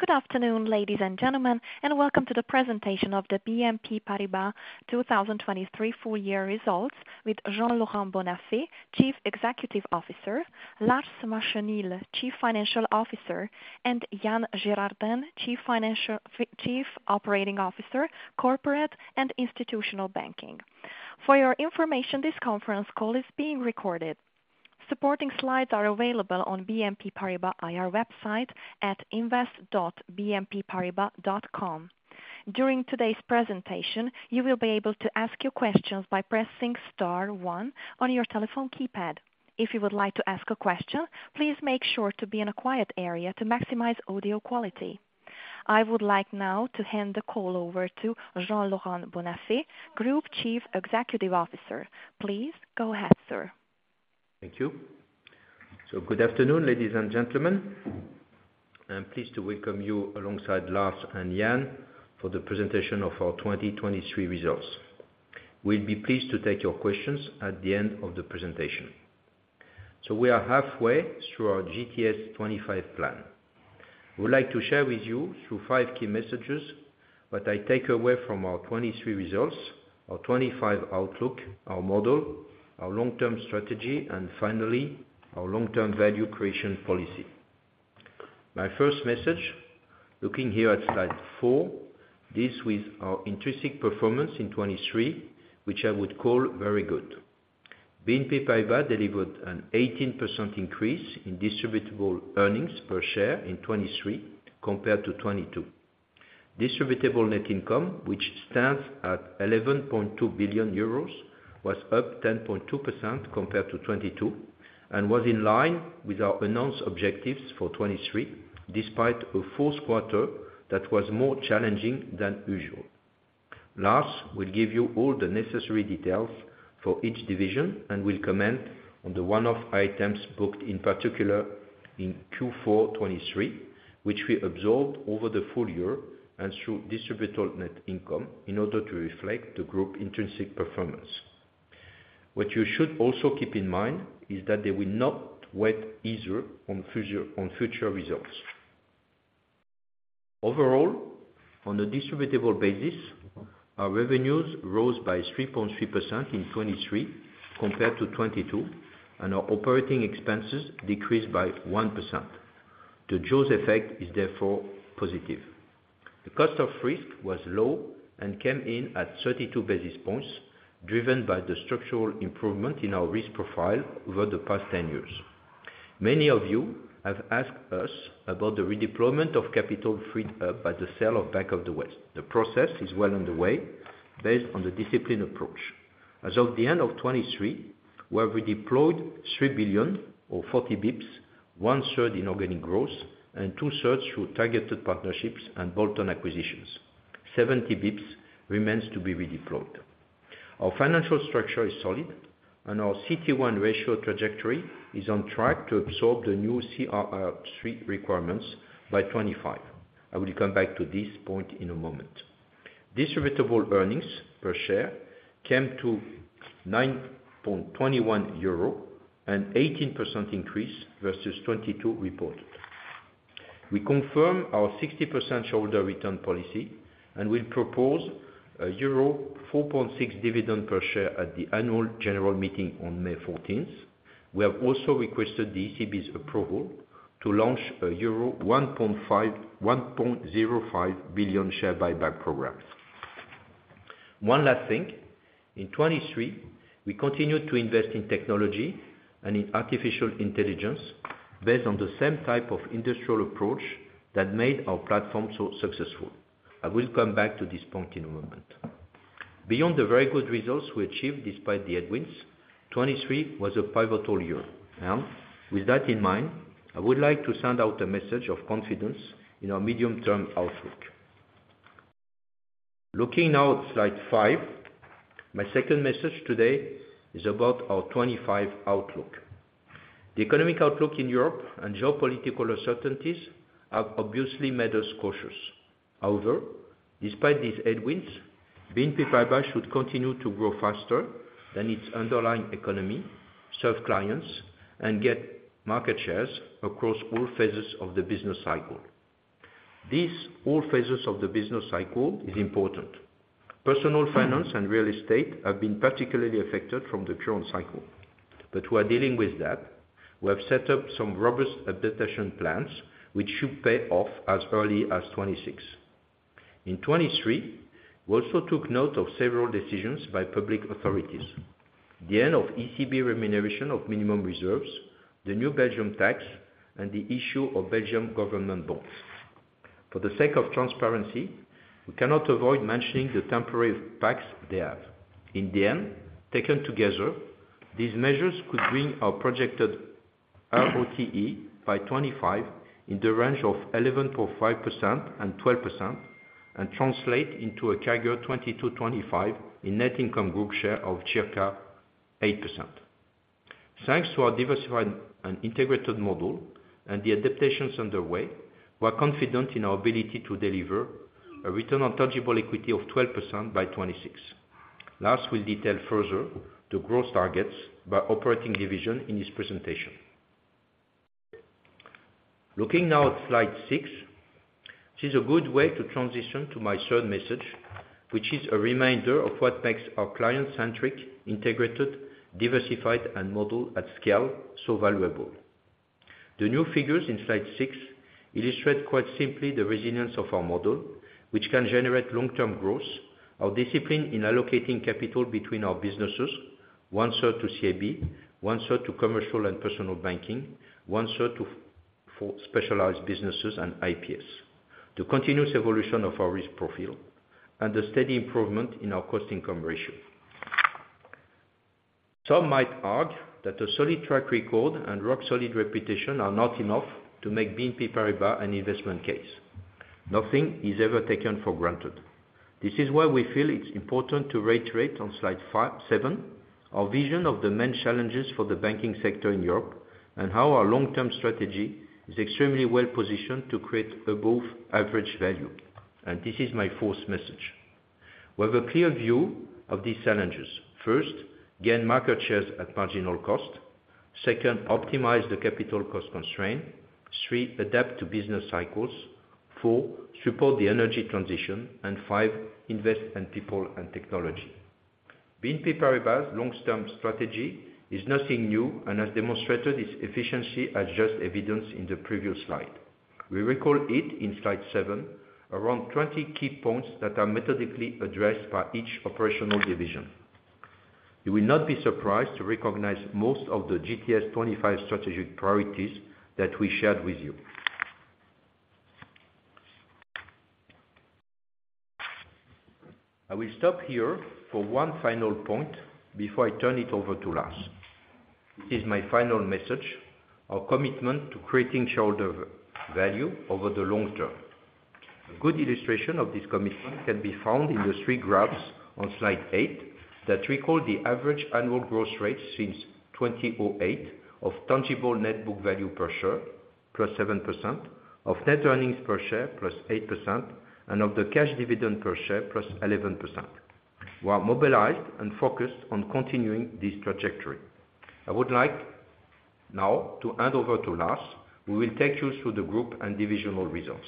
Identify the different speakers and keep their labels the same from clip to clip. Speaker 1: Good afternoon, ladies and gentlemen, and welcome to the presentation of the BNP Paribas 2023 full year results with Jean-Laurent Bonnafé, Chief Executive Officer, Lars Machenil, Chief Financial Officer, and Yann Gérardin, Chief Financial - Chief Operating Officer, Corporate and Institutional Banking. For your information, this conference call is being recorded. Supporting slides are available on BNP Paribas IR website at invest.bnpparibas.com. During today's presentation, you will be able to ask your questions by pressing star one on your telephone keypad. If you would like to ask a question, please make sure to be in a quiet area to maximize audio quality. I would like now to hand the call over to Jean-Laurent Bonnafé, Group Chief Executive Officer. Please go ahead, sir.
Speaker 2: Thank you. So good afternoon, ladies and gentlemen. I'm pleased to welcome you alongside Lars and Yann for the presentation of our 2023 results. We'll be pleased to take your questions at the end of the presentation. So we are halfway through our GTS 2025 plan. I would like to share with you through five key messages, what I take away from our 2023 results, our 2025 outlook, our model, our long-term strategy, and finally, our long-term value creation policy. My first message, looking here at slide 4, this with our intrinsic performance in 2023, which I would call very good. BNP Paribas delivered an 18% increase in distributable earnings per share in 2023 compared to 2022. Distributable net income, which stands at 11.2 billion euros, was up 10.2% compared to 2022, and was in line with our announced objectives for 2023, despite a fourth quarter that was more challenging than usual. Lars will give you all the necessary details for each division and will comment on the one-off items booked, in particular, in Q4 2023, which we absorbed over the full year and through distributable net income in order to reflect the group intrinsic performance. What you should also keep in mind is that they will not weigh easier on future, on future results. Overall, on a distributable basis, our revenues rose by 3.3% in 2023 compared to 2022, and our operating expenses decreased by 1%. The jaws effect is therefore positive. The cost of risk was low and came in at 32 basis points, driven by the structural improvement in our risk profile over the past 10 years. Many of you have asked us about the redeployment of capital freed up by the sale of Bank of the West. The process is well on the way, based on the discipline approach. As of the end of 2023, we have redeployed 3 billion or 40 basis points, one-third in organic growth, and two-thirds through targeted partnerships and bolt-on acquisitions. 70 basis points remains to be redeployed. Our financial structure is solid, and our CET1 ratio trajectory is on track to absorb the new CRR III requirements by 2025. I will come back to this point in a moment. Distributable earnings per share came to 9.21 euro, an 18% increase versus 2022 reported. We confirm our 60% shareholder return policy and will propose a euro 4.6 dividend per share at the annual general meeting on May fourteenth. We have also requested the ECB's approval to launch a euro 1.5-1.05 billion share buyback program. One last thing, in 2023, we continued to invest in technology and in artificial intelligence based on the same type of industrial approach that made our platform so successful. I will come back to this point in a moment. Beyond the very good results we achieved, despite the headwinds, 2023 was a pivotal year. With that in mind, I would like to send out a message of confidence in our medium-term outlook. Looking now at slide 5, my second message today is about our 2025 outlook. The economic outlook in Europe and geopolitical uncertainties have obviously made us cautious. However, despite these headwinds, BNP Paribas should continue to grow faster than its underlying economy, serve clients, and get market shares across all phases of the business cycle. These all phases of the business cycle is important. Personal Finance and Real Estate have been particularly affected from the current cycle, but we are dealing with that. We have set up some robust adaptation plans, which should pay off as early as 2026. In 2023, we also took note of several decisions by public authorities, the end of ECB remuneration of minimum reserves, the new Belgian tax, and the issue of Belgian government bonds. For the sake of transparency, we cannot avoid mentioning the temporary impacts they have. In the end, taken together, these measures could bring our projected ROTE by 2025 in the range of 11.5%-12%, and translate into a CAGR 2022-2025 in net income group share of circa 8%. Thanks to our diversified and integrated model and the adaptations underway, we are confident in our ability to deliver a return on tangible equity of 12% by 2026. Lars will detail further the growth targets by operating division in his presentation. Looking now at slide 6, this is a good way to transition to my third message, which is a reminder of what makes our client-centric, integrated, diversified, and model at scale so valuable. The new figures in slide 6 illustrate quite simply the resilience of our model, which can generate long-term growth, our discipline in allocating capital between our businesses, one side to CIB, one side to Commercial and Personal Banking, one side to for specialized businesses and IPS, the continuous evolution of our risk profile, and the steady improvement in our cost-income ratio. Some might argue that a solid track record and rock-solid reputation are not enough to make BNP Paribas an investment case. Nothing is ever taken for granted. This is why we feel it's important to reiterate on slide 7, our vision of the main challenges for the banking sector in Europe, and how our long-term strategy is extremely well-positioned to create above-average value, and this is my fourth message. We have a clear view of these challenges. First, gain market shares at marginal cost. 2nd, optimize the capital cost constraint. 3, adapt to business cycles. 4, support the energy transition, and 5, invest in people and technology. BNP Paribas' long-term strategy is nothing new and has demonstrated its efficiency as just evidenced in the previous slide. We recall it in slide 7, around 20 key points that are methodically addressed by each operational division. You will not be surprised to recognize most of the GTS 2025 strategic priorities that we shared with you. I will stop here for one final point before I turn it over to Lars. This is my final message, our commitment to creating shareholder value over the long term. A good illustration of this commitment can be found in the three graphs on slide 8, that recall the average annual growth rate since 2008 of tangible net book value per share, +7%, of net earnings per share, +8%, and of the cash dividend per share, +11%. We are mobilized and focused on continuing this trajectory. I would like now to hand over to Lars, who will take you through the group and divisional results.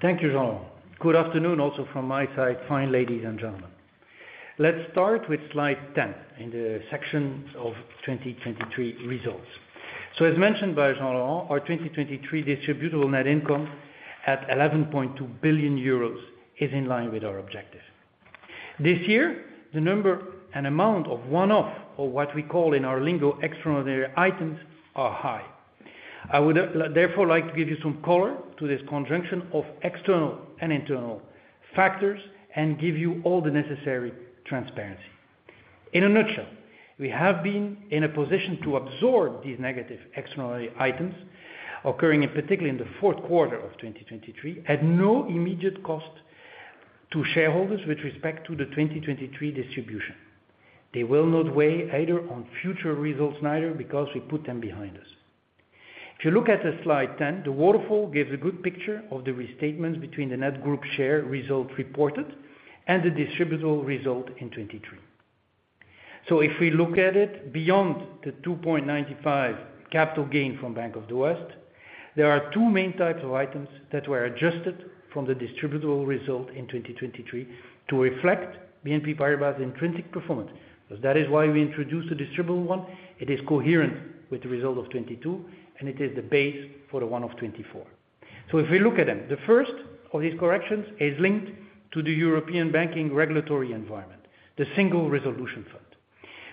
Speaker 3: Thank you, Jean. Good afternoon, also from my side, fine ladies and gentlemen. Let's start with slide 10 in the sections of 2023 results. As mentioned by Jean-Laurent, our 2023 distributable net income at 11.2 billion euros is in line with our objective. This year, the number and amount of one-off, or what we call in our lingo, extraordinary items, are high. I would therefore like to give you some color to this conjunction of external and internal factors and give you all the necessary transparency. In a nutshell, we have been in a position to absorb these negative extraordinary items occurring, in particular, in the fourth quarter of 2023, at no immediate cost to shareholders with respect to the 2023 distribution. They will not weigh either on future results, neither, because we put them behind us. If you look at the slide 10, the waterfall gives a good picture of the restatements between the net group share results reported and the distributable result in 2023. So if we look at it, beyond the 2.95 billion capital gain from Bank of the West, there are two main types of items that were adjusted from the distributable result in 2023 to reflect BNP Paribas' intrinsic performance. Because that is why we introduced the distributable one. It is coherent with the result of 2022, and it is the base for the one of 2024. So if we look at them, the first of these corrections is linked to the European banking regulatory environment, the Single Resolution Fund.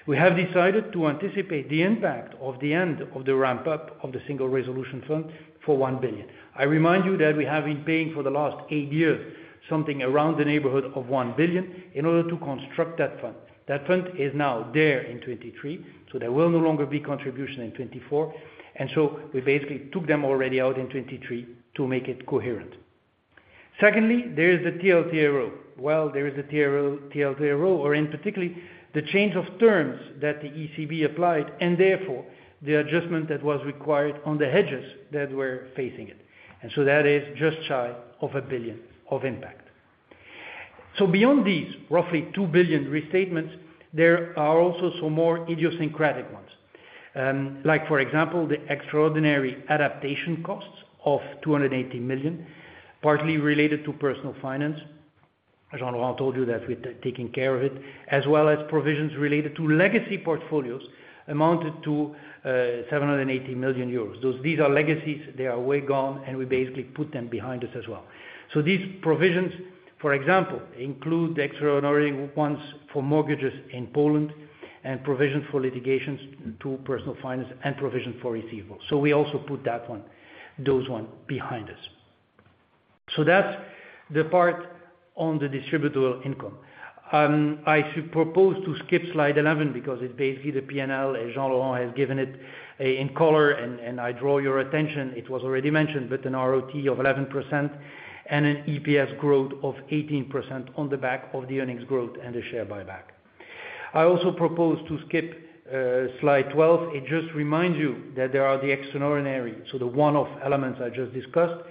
Speaker 3: We have decided to anticipate the impact of the end of the ramp-up of the Single Resolution Fund for 1 billion. I remind you that we have been paying for the last eight years, something around the neighborhood of 1 billion, in order to construct that fund. That fund is now there in 2023, so there will no longer be contribution in 2024, and so we basically took them already out in 2023 to make it coherent. Secondly, there is the TLTRO. Well, there is a TLTRO, or in particular, the change of terms that the ECB applied, and therefore, the adjustment that was required on the hedges that were facing it, and so that is just shy of 1 billion of impact. So beyond these, roughly 2 billion restatements, there are also some more idiosyncratic ones. Like for example, the extraordinary adaptation costs of 280 million, partly related to Personal Finance. As Jean-Laurent told you, that we're taking care of it, as well as provisions related to legacy portfolios, amounted to 780 million euros. These are legacies, they are way gone, and we basically put them behind us as well. So these provisions, for example, include the extraordinary ones for mortgages in Poland and provision for litigations to Personal Finance and provision for receivables. So we also put that one, those one behind us. So that's the part on the distributable income. I should propose to skip slide 11 because it's basically the P&L, as Jean-Laurent has given it in color, and I draw your attention, it was already mentioned, but an ROTE of 11% and an EPS growth of 18% on the back of the earnings growth and the share buyback. I also propose to skip slide 12. It just reminds you that there are the extraordinary, so the one-off elements I just discussed.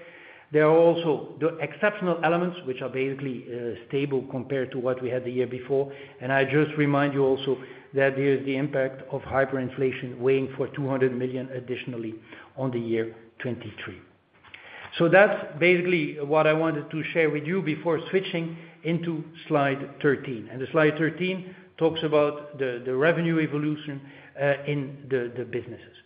Speaker 3: There are also the exceptional elements, which are basically stable compared to what we had the year before. And I just remind you also that there is the impact of hyperinflation weighing for 200 million additionally on the year 2023. So that's basically what I wanted to share with you before switching into slide 13. And the slide 13 talks about the revenue evolution in the businesses.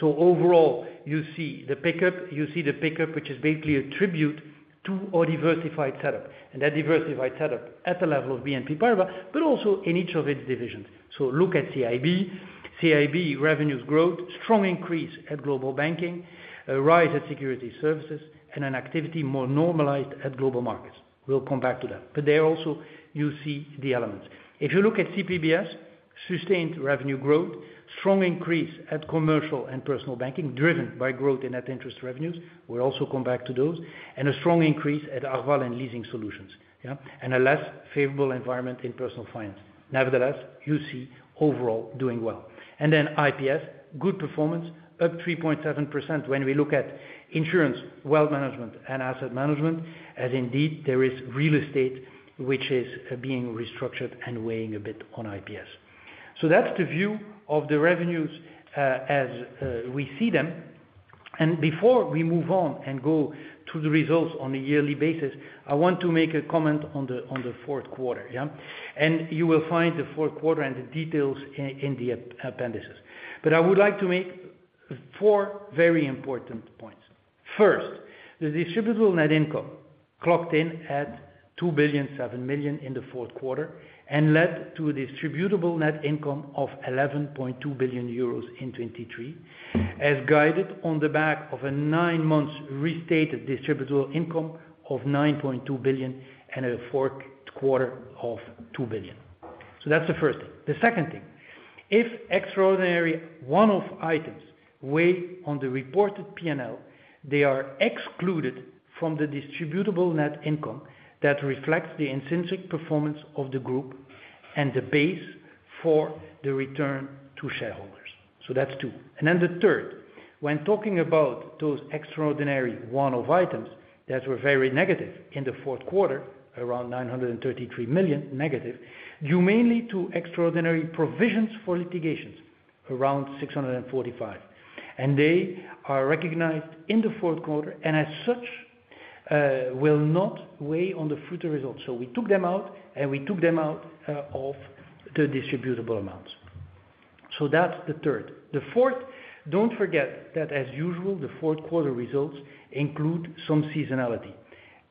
Speaker 3: So overall, you see the pickup, you see the pickup, which is basically a tribute to our diversified setup, and that diversified setup at the level of BNP Paribas, but also in each of its divisions. So look at CIB. CIB revenues growth, strong increase at Global Banking, a rise at Securities Services, and an activity more normalized at Global Marketss. We'll come back to that. But there also, you see the elements. If you look at CPBS, sustained revenue growth, strong increase at Commercial and Personal Banking, driven by growth in net interest revenues. We'll also come back to those. And a strong increase at Arval and Leasing Solutions, yeah? And a less favorable environment in Personal Finance. Nevertheless, you see overall doing well. And then IPS, good performance, up 3.7% when we look at Insurance, Wealth Management, and Asset Management, as indeed, there is Real Estate which is being restructured and weighing a bit on IPS. So that's the view of the revenues as we see them. And before we move on and go to the results on a yearly basis, I want to make a comment on the, on the fourth quarter, yeah? You will find the fourth quarter and the details in the appendices. But I would like to make four very important points. First, the distributable net income clocked in at 2.007 billion in the fourth quarter and led to a distributable net income of 11.2 billion euros in 2023, as guided on the back of a nine-month restated distributable income of 9.2 billion and a fourth quarter of 2 billion. So that's the first thing. The second thing, if extraordinary one-off items weigh on the reported PNL, they are excluded from the distributable net income that reflects the intrinsic performance of the group and the base for the return to shareholders. So that's two. And then the third, when talking about those extraordinary one-off items that were very negative in the fourth quarter, around -933 million, you mainly two extraordinary provisions for litigations, around 645 million, and they are recognized in the fourth quarter, and as such, will not weigh on the future results. So we took them out, and we took them out, of the distributable amounts. So that's the third. The fourth, don't forget that as usual, the fourth quarter results include some seasonality.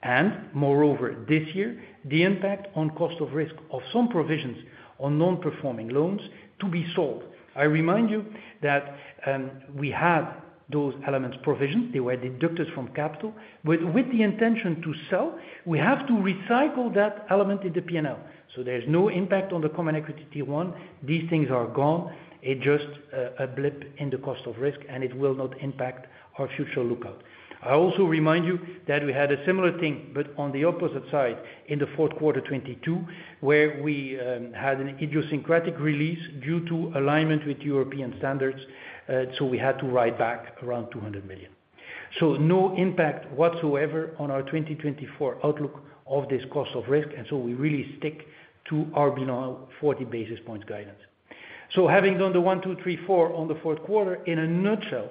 Speaker 3: And moreover, this year, the impact on cost of risk of some provisions on non-performing loans to be sold. I remind you that, we had those elements provision. They were deducted from capital, with the intention to sell, we have to recycle that element in the PNL. So there's no impact on the Common Equity Tier 1; these things are gone. It just, a blip in the cost of risk, and it will not impact our future lookout. I also remind you that we had a similar thing, but on the opposite side, in the fourth quarter 2022, where we, had an idiosyncratic release due to alignment with European standards, so we had to write back around 200 million. So no impact whatsoever on our 2024 outlook of this cost of risk, and so we really stick to our benign 40 basis points guidance. So having done the one, two, three, four on the fourth quarter, in a nutshell,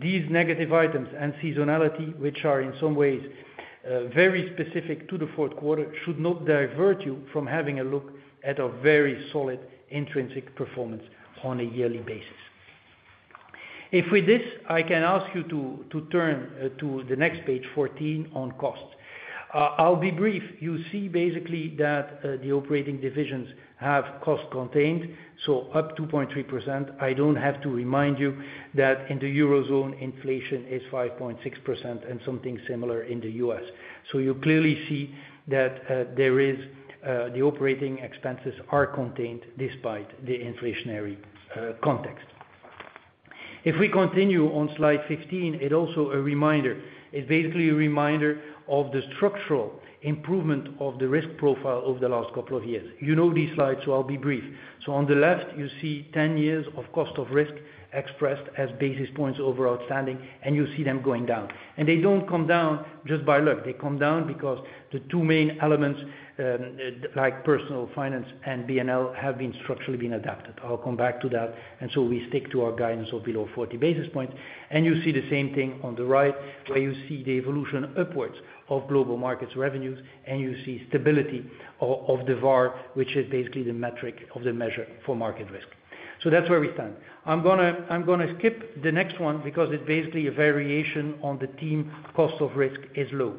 Speaker 3: these negative items and seasonality, which are in some ways, very specific to the fourth quarter, should not divert you from having a look at a very solid intrinsic performance on a yearly basis. If with this, I can ask you to turn to the next page 14, on costs. I'll be brief. You see basically that the operating divisions have cost contained, so up 2.3%. I don't have to remind you that in the Eurozone, inflation is 5.6%, and something similar in the U.S. So you clearly see that there is the operating expenses are contained despite the inflationary context. If we continue on slide 15, it also a reminder. It's basically a reminder of the structural improvement of the risk profile over the last couple of years. You know these slides, so I'll be brief. So on the left, you see 10 years of cost of risk expressed as basis points over outstanding, and you see them going down. And they don't come down just by luck. They come down because the two main elements, like Personal Finance and BNL, have been structurally adapted. I'll come back to that, and so we stick to our guidance of below 40 basis points. And you see the same thing on the right, where you see the evolution upwards of Global Marketss revenues, and you see stability of the VaR, which is basically the metric of the measure for market risk. So that's where we stand. I'm gonna skip the next one because it's basically a variation on the theme, cost of risk is low.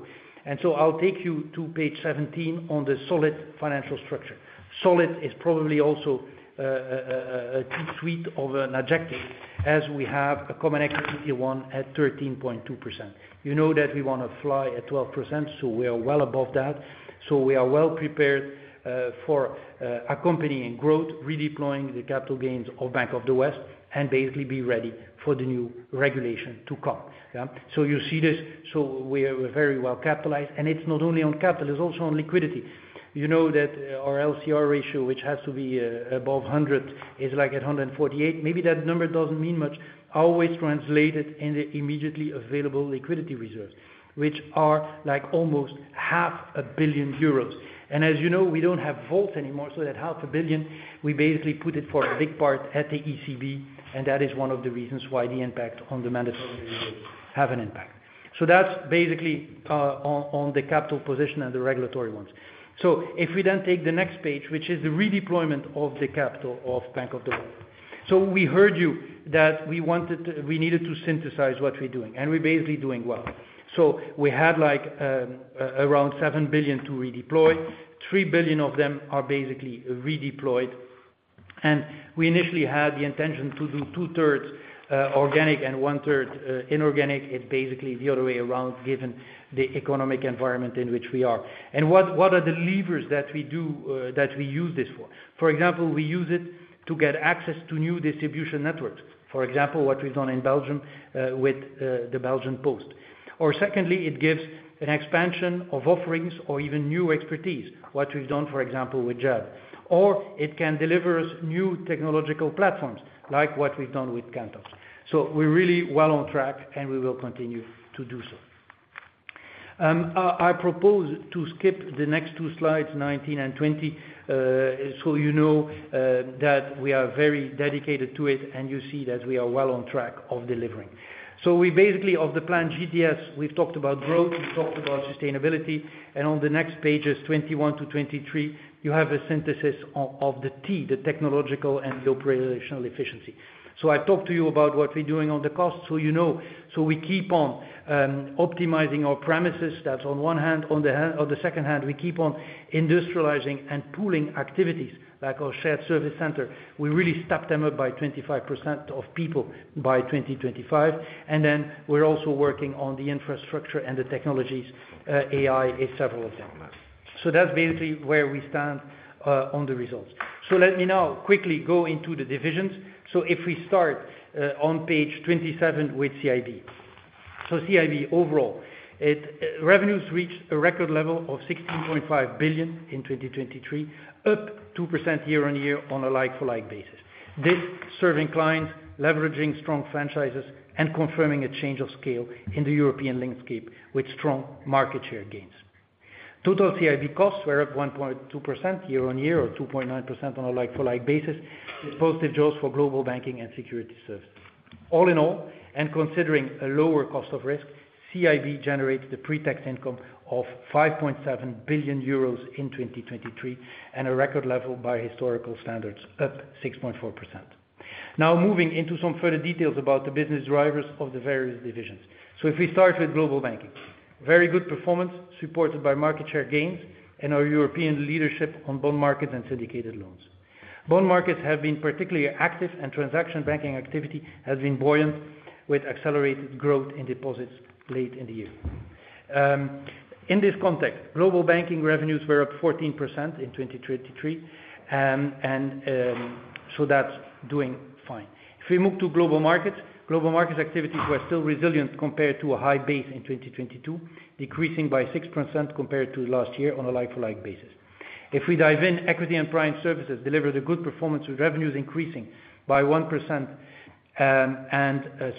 Speaker 3: And so I'll take you to page 17 on the solid financial structure. Solid is probably also a too sweet of an adjective, as we have a common equity one at 13.2%. You know that we want to fly at 12%, so we are well above that. So we are well prepared for accompanying growth, redeploying the capital gains of Bank of the West, and basically be ready for the new regulation to come. Yeah. So you see this, so we are very well capitalized, and it's not only on capital, it's also on liquidity. You know that our LCR ratio, which has to be above 100, is like at 148. Maybe that number doesn't mean much, always translated in the immediately available liquidity reserves, which are like almost 500 million euros. And as you know, we don't have vault anymore, so that 500 million, we basically put it for a big part at the ECB, and that is one of the reasons why the impact on the mandates have an impact. So that's basically, on the capital position and the regulatory ones. So if we then take the next page, which is the redeployment of the capital of Bank of the West. So we heard you, that we wanted to—we needed to synthesize what we're doing, and we're basically doing well. So we had, like, around 7 billion to redeploy. 3 billion of them are basically redeployed, and we initially had the intention to do two-thirds organic and one-third inorganic. It's basically the other way around, given the economic environment in which we are. And what are the levers that we do, that we use this for? For example, we use it to get access to new distribution networks. For example, what we've done in Belgium, with the Belgian Post. Or secondly, it gives an expansion of offerings or even new expertise. What we've done, for example, with Floa or Jaguar. Or it can deliver us new technological platforms, like what we've done with Kantox. So we're really well on track, and we will continue to do so. I propose to skip the next two slides, 19 and 20. So you know that we are very dedicated to it, and you see that we are well on track of delivering. So we basically, of the plan GTS, we've talked about growth, we've talked about sustainability, and on the next pages, 21 to 23, you have a synthesis of the T, the technological and the operational efficiency. So I talked to you about what we're doing on the costs, so you know. So we keep on optimizing our premises. That's on one hand, on the hand-- on the second hand, we keep on industrializing and pooling activities, like our shared service center. We really step them up by 25% of people by 2025, and then we're also working on the infrastructure and the technologies, AI is several of them. So that's basically where we stand, on the results. So let me now quickly go into the divisions. So if we start, on page 27 with CIB. So CIB, overall, it, revenues reached a record level of 16.5 billion in 2023, up 2% year-on-year on a like-for-like basis. This serving clients, leveraging strong franchises, and confirming a change of scale in the European landscape with strong market share gains. Total CIB costs were up 1.2% year-on-year, or 2.9% on a like-for-like basis, with positive jaws for Global Banking and Securities Services. All in all, and considering a lower cost of risk, CIB generated the pre-tax income of 5.7 billion euros in 2023, and a record level by historical standards, up 6.4%. Now, moving into some further details about the business drivers of the various divisions. So if we start with Global Banking, very good performance, supported by market share gains and our European leadership on bond markets and syndicated loans. Bond markets have been particularly active, and Transaction Banking activity has been buoyant, with accelerated growth in deposits late in the year. In this context, Global Banking revenues were up 14% in 2023, and so that's doing fine. If we move to Global Marketss, Global Marketss activities were still resilient compared to a high base in 2022, decreasing by 6% compared to last year on a like-for-like basis. If we dive in, Equity and Prime Services delivered a good performance, with revenues increasing by 1%,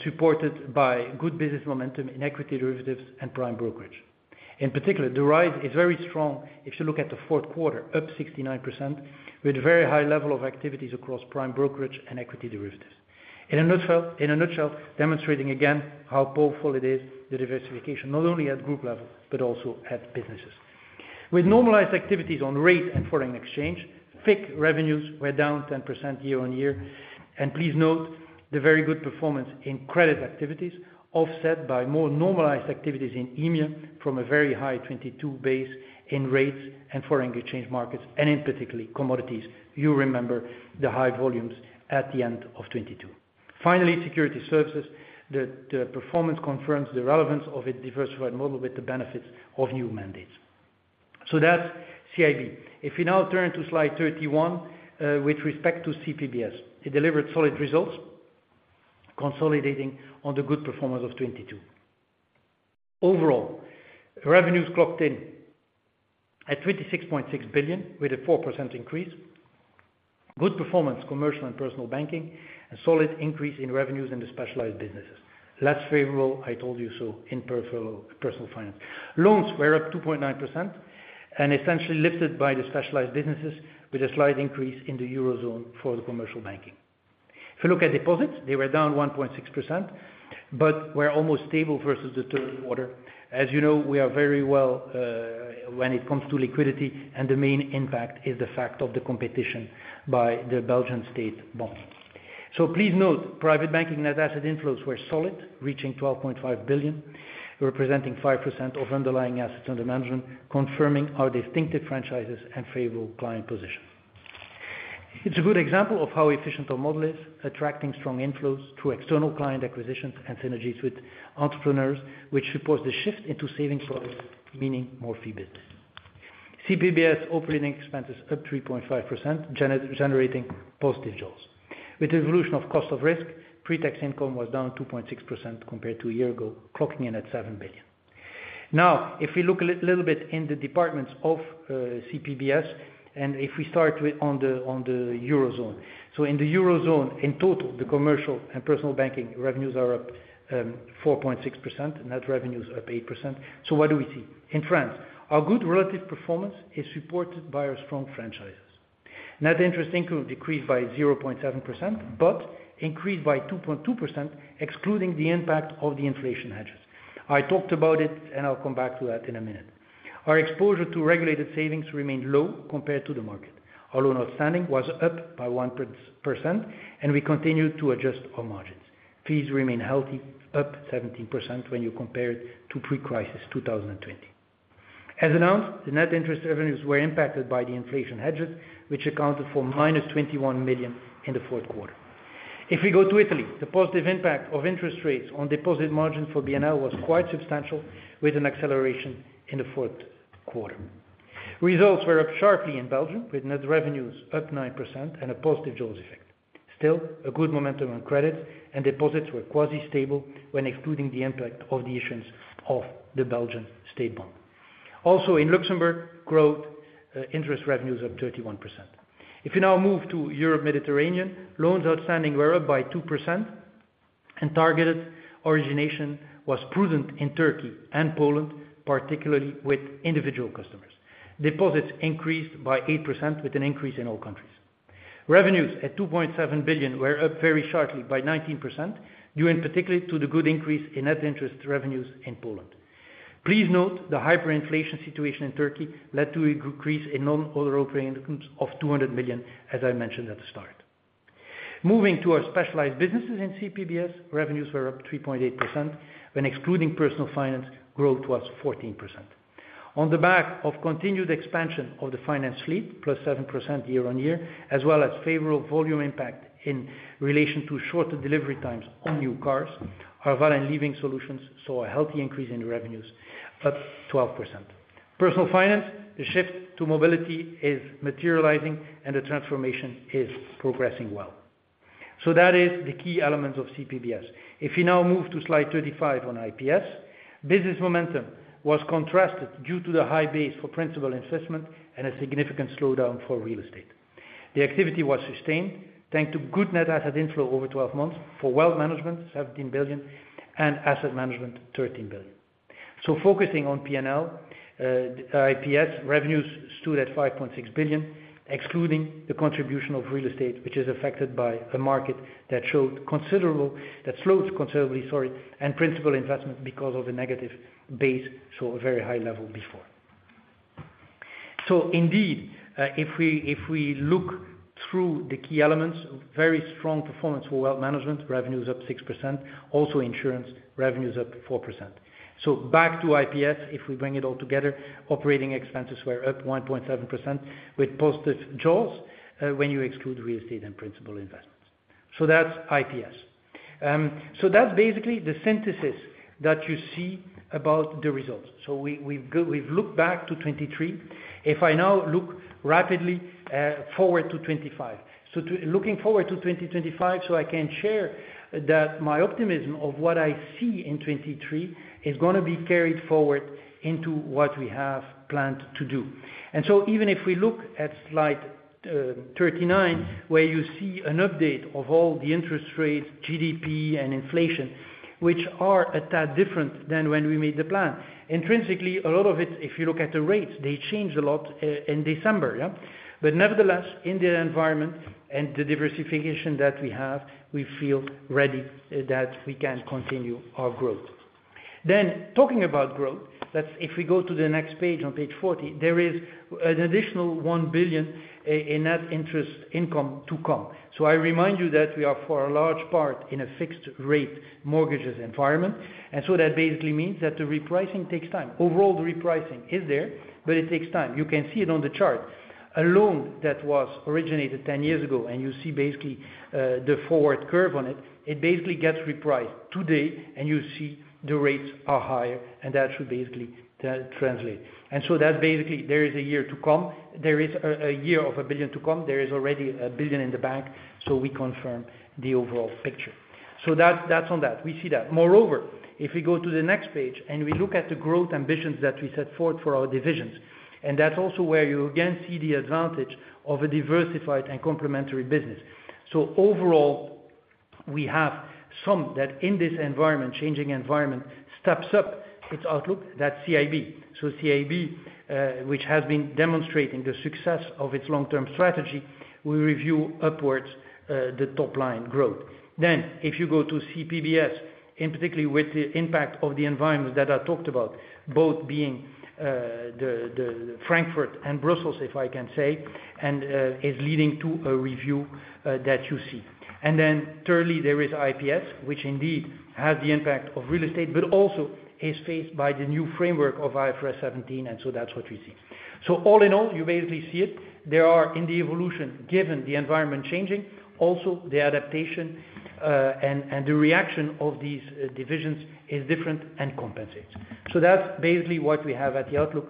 Speaker 3: supported by good business momentum in equity derivatives and prime brokerage. In particular, the rise is very strong if you look at the fourth quarter, up 69%, with very high level of activities across prime brokerage and equity derivatives. In a nutshell, in a nutshell, demonstrating again how powerful it is, the diversification, not only at group level, but also at businesses. With normalized activities on Rates and Foreign Exchange, FICC revenues were down 10% year-on-year. And please note, the very good performance in credit activities, offset by more normalized activities in EMEA, from a very high 2022 base in Rates and Foreign Exchange markets, and in particular, Commodities. You remember the high volumes at the end of 2022. Finally, Securities Services. The performance confirms the relevance of a diversified model with the benefits of new mandates. So that's CIB. If we now turn to slide 31, with respect to CPBS, it delivered solid results, consolidating on the good performance of 2022. Overall, revenues clocked in at 26.6 billion, with a 4% increase, good performance, commercial and personal banking, a solid increase in revenues in the specialized businesses. Less favorable, I told you so in Personal Finance. Loans were up 2.9%, and essentially lifted by the specialized businesses, with a slight increase in the Eurozone for the Commercial Banking. If you look at deposits, they were down 1.6%, but were almost stable versus the third quarter. As you know, we are very well when it comes to liquidity, and the main impact is the fact of the competition by the Belgian state bonds. So please note, Private Banking net asset inflows were solid, reaching 12.5 billion, representing 5% of underlying assets under management, confirming our distinctive franchises and favorable client position. It's a good example of how efficient our model is, attracting strong inflows through external client acquisitions and synergies with entrepreneurs, which supports the shift into saving products, meaning more fee builds. CPBS operating expenses up 3.5%, generating positive jaws. With the evolution of cost of risk, pre-tax income was down 2.6% compared to a year ago, clocking in at 7 billion. Now, if we look a little bit in the departments of CPBS, and if we start with the Eurozone. So in the Eurozone, in total, the commercial and personal banking revenues are up 4.6%, net revenues are up 8%. So what do we see? In France, our good relative performance is supported by our strong franchises. Net interest income decreased by 0.7%, but increased by 2.2%, excluding the impact of the inflation hedges. I talked about it, and I'll come back to that in a minute. Our exposure to regulated savings remained low compared to the market. Our loan outstanding was up by 1%, and we continued to adjust our margins. Fees remain healthy, up 17% when you compare it to pre-crisis 2020. As announced, the net interest revenues were impacted by the inflation hedges, which accounted for -21 million in the fourth quarter. If we go to Italy, the positive impact of interest rates on deposit margin for BNL was quite substantial, with an acceleration in the fourth quarter. Results were up sharply in Belgium, with net revenues up 9% and a positive jaws effect. Still, a good momentum on credit and deposits were quasi-stable when excluding the impact of the issues of the Belgian state bond. Also, in Luxembourg, growth, interest revenues up 31%. If you now move to Europe, Mediterranean, loans outstanding were up by 2%, and targeted origination was prudent in Turkey and Poland, particularly with individual customers. Deposits increased by 8%, with an increase in all countries. Revenues at 2.7 billion were up very sharply by 19%, due in particularly to the good increase in net interest revenues in Poland. Please note, the hyperinflation situation in Turkey led to a decrease in non-other operating incomes of 200 million, as I mentioned at the start. Moving to our specialized businesses in CPBS, revenues were up 3.8%. When excluding Personal Finance, growth was 14%. On the back of continued expansion of the finance fleet, +7% year-on-year, as well as favorable volume impact in relation to shorter delivery times on new cars, Arval and Leasing Solutions saw a healthy increase in revenues, up 12%. Personal Finance, the shift to mobility is materializing, and the transformation is progressing well. So that is the key elements of CPBS. If you now move to slide 35 on IPS, business momentum was contrasted due to the high base for Principal Investment and a significant slowdown for Real Estate. The activity was sustained, thanks to good net asset inflow over 12 months for Wealth Management, 17 billion, and Asset Management, 13 billion. So focusing on PNL, IPS, revenues stood at 5.6 billion, excluding the contribution of Real Estate, which is affected by a market that slowed considerably, and Principal Investment because of the negative base, saw a very high level before. So indeed, if we look through the key elements, very strong performance for wealth management, revenues up 6%. Also, insurance, revenues up 4%. So back to IPS, if we bring it all together, operating expenses were up 1.7% with positive jaws, when you exclude Real Estate and Principal Investments. So that's IPS. So that's basically the synthesis that you see about the results. So we've looked back to 2023. If I now look rapidly forward to 2025. So to... Looking forward to 2025, so I can share that my optimism of what I see in 2023 is gonna be carried forward into what we have planned to do. And so even if we look at slide 39, where you see an update of all the interest rates, GDP, and inflation, which are a tad different than when we made the plan. Intrinsically, a lot of it, if you look at the rates, they changed a lot in December, yeah? But nevertheless, in the environment and the diversification that we have, we feel ready that we can continue our growth. Then, talking about growth, if we go to the next page, on page 40, there is an additional 1 billion in net interest income to come. So I remind you that we are, for a large part, in a fixed-rate mortgages environment, and so that basically means that the repricing takes time. Overall, the repricing is there, but it takes time. You can see it on the chart. A loan that was originated 10 years ago, and you see basically, the forward curve on it, it basically gets repriced today, and you see the rates are higher, and that should basically trans-translate. And so that, basically, there is a year to come. There is a year of 1 billion to come. There is already 1 billion in the bank, so we confirm the overall picture. So that's, that's on that. We see that. Moreover, if we go to the next page, and we look at the growth ambitions that we set forth for our divisions, and that's also where you again see the advantage of a diversified and complementary business. So overall, we have some that, in this environment, changing environment, steps up its outlook. That's CIB. So CIB, which has been demonstrating the success of its long-term strategy, we review upwards, the top line growth. Then, if you go to CPBS, and particularly with the impact of the environment that I talked about, both being, the Frankfurt and Brussels, if I can say, and, is leading to a review, that you see. And then thirdly, there is IPS, which indeed has the impact of Real Estate, but also is faced by the new framework of IFRS 17, and so that's what we see. So all in all, you basically see it. There are, in the evolution, given the environment changing, also the adaptation, and, and the reaction of these divisions is different and compensates. So that's basically what we have at the outlook.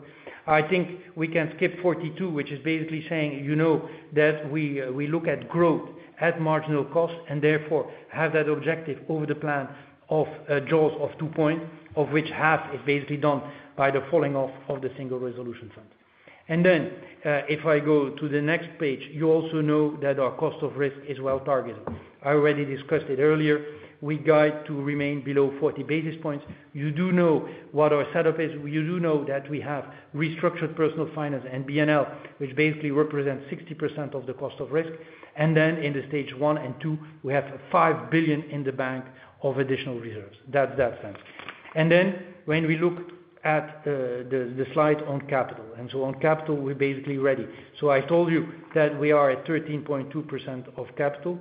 Speaker 3: I think we can skip 42, which is basically saying, you know, that we, we look at growth at marginal cost, and therefore, have that objective over the plan of jaws of 2 points, of which half is basically done by the falling off of the Single Resolution Fund. And then, if I go to the next page, you also know that our cost of risk is well targeted. I already discussed it earlier. We got to remain below 40 basis points. You do know what our setup is. You do know that we have Personal Finance and BNL, which basically represents 60% of the cost of risk. And then in the Stage 1 and 2, we have 5 billion in the bank of additional reserves. That, that sense. And then when we look at the slide on capital, and so on capital, we're basically ready. So I told you that we are at 13.2% of capital,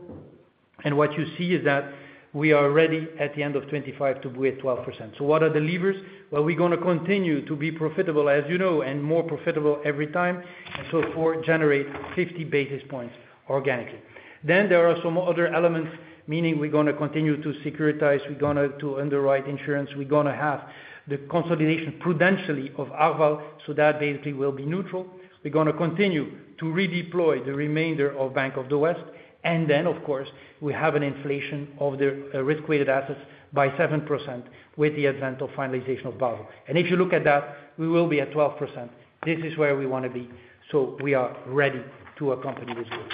Speaker 3: and what you see is that we are ready at the end of 2025 to be at 12%. So what are the levers? Well, we're gonna continue to be profitable, as you know, and more profitable every time, and so forth, generate 50 basis points organically. Then, there are some other elements, meaning we're gonna continue to securitize, we're gonna to underwrite insurance, we're gonna have the consolidation prudentially of Arval, so that basically will be neutral. We're gonna continue to redeploy the remainder of Bank of the West, and then, of course, we have an inflation of the risk-weighted assets by 7% with the advent of finalization of Basel. And if you look at that, we will be at 12%. This is where we wanna be, so we are ready to accompany this growth.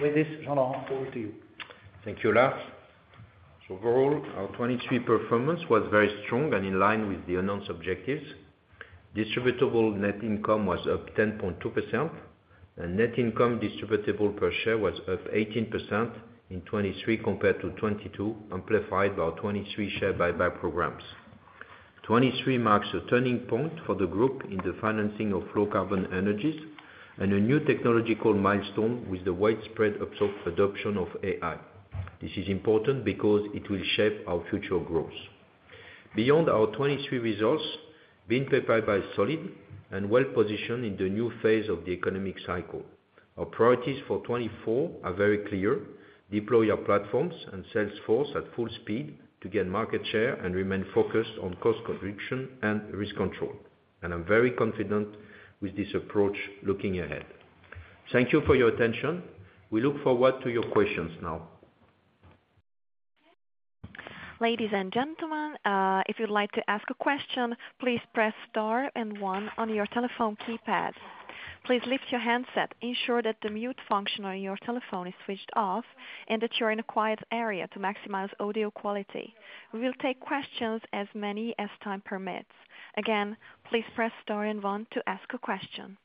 Speaker 3: With this, Jean-Laurent, over to you.
Speaker 2: Thank you, Lars. So overall, our 2023 performance was very strong and in line with the announced objectives. Distributable net income was up 10.2%, and net income distributable per share was up 18% in 2023 compared to 2022, amplified by our 2023 share buyback programs. 2023 marks a turning point for the group in the financing of low-carbon energies and a new technological milestone with the widespread adoption of AI. This is important because it will shape our future growth. Beyond our 2023 results, BNP Paribas is solid and well-positioned in the new phase of the economic cycle. Our priorities for 2024 are very clear: deploy our platforms and sales force at full speed to gain market share and remain focused on cost conviction and risk control. And I'm very confident with this approach looking ahead. Thank you for your attention. We look forward to your questions now.
Speaker 1: Ladies and gentlemen, if you'd like to ask a question, please press star and one on your telephone keypad. Please lift your handset, ensure that the mute function on your telephone is switched off, and that you're in a quiet area to maximize audio quality. We will take questions as many as time permits. Again, please press star and one to ask a question.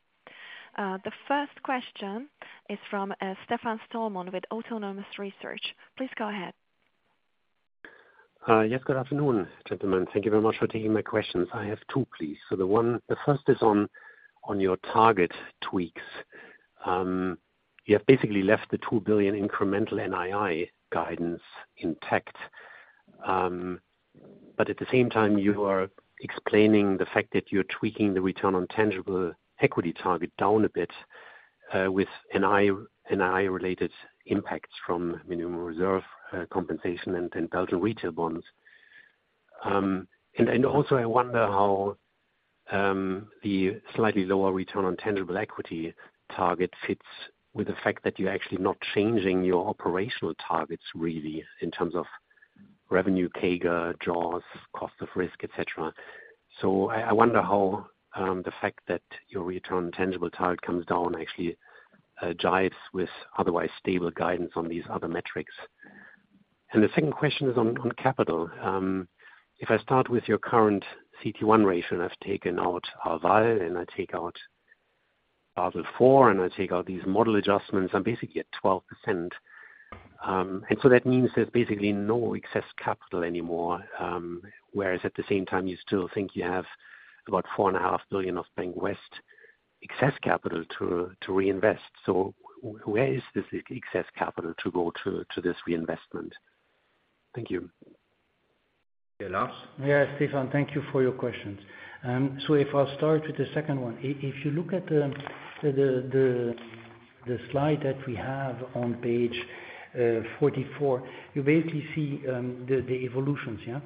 Speaker 1: The first question is from Stefan Stalmann with Autonomous Research. Please go ahead.
Speaker 4: Yes, good afternoon, gentlemen. Thank you very much for taking my questions. I have two, please. So the first is on your target tweaks. You have basically left the 2 billion incremental NII guidance intact, but at the same time, you are explaining the fact that you're tweaking the return on tangible equity target down a bit, with NII-related impacts from minimum reserve compensation and then Belgian retail bonds. And also, I wonder how the slightly lower return on tangible equity target fits with the fact that you're actually not changing your operational targets, really, in terms of revenue, CAGR, jaws, cost of risk, et cetera. So I wonder how the fact that your return on tangible target comes down actually jives with otherwise stable guidance on these other metrics. The second question is on capital. If I start with your current CET1 ratio, I've taken out Arval, and I take out Basel IV, and I take out these model adjustments, I'm basically at 12%. And so that means there's basically no excess capital anymore, whereas at the same time, you still think you have about 4.5 billion of Bank of the West excess capital to reinvest. So where is this excess capital to go to, to this reinvestment? Thank you.
Speaker 2: Lars?
Speaker 3: Yeah, Stefan, thank you for your questions. So if I'll start with the second one, if you look at the slide that we have on page 44, you basically see the evolutions, yeah?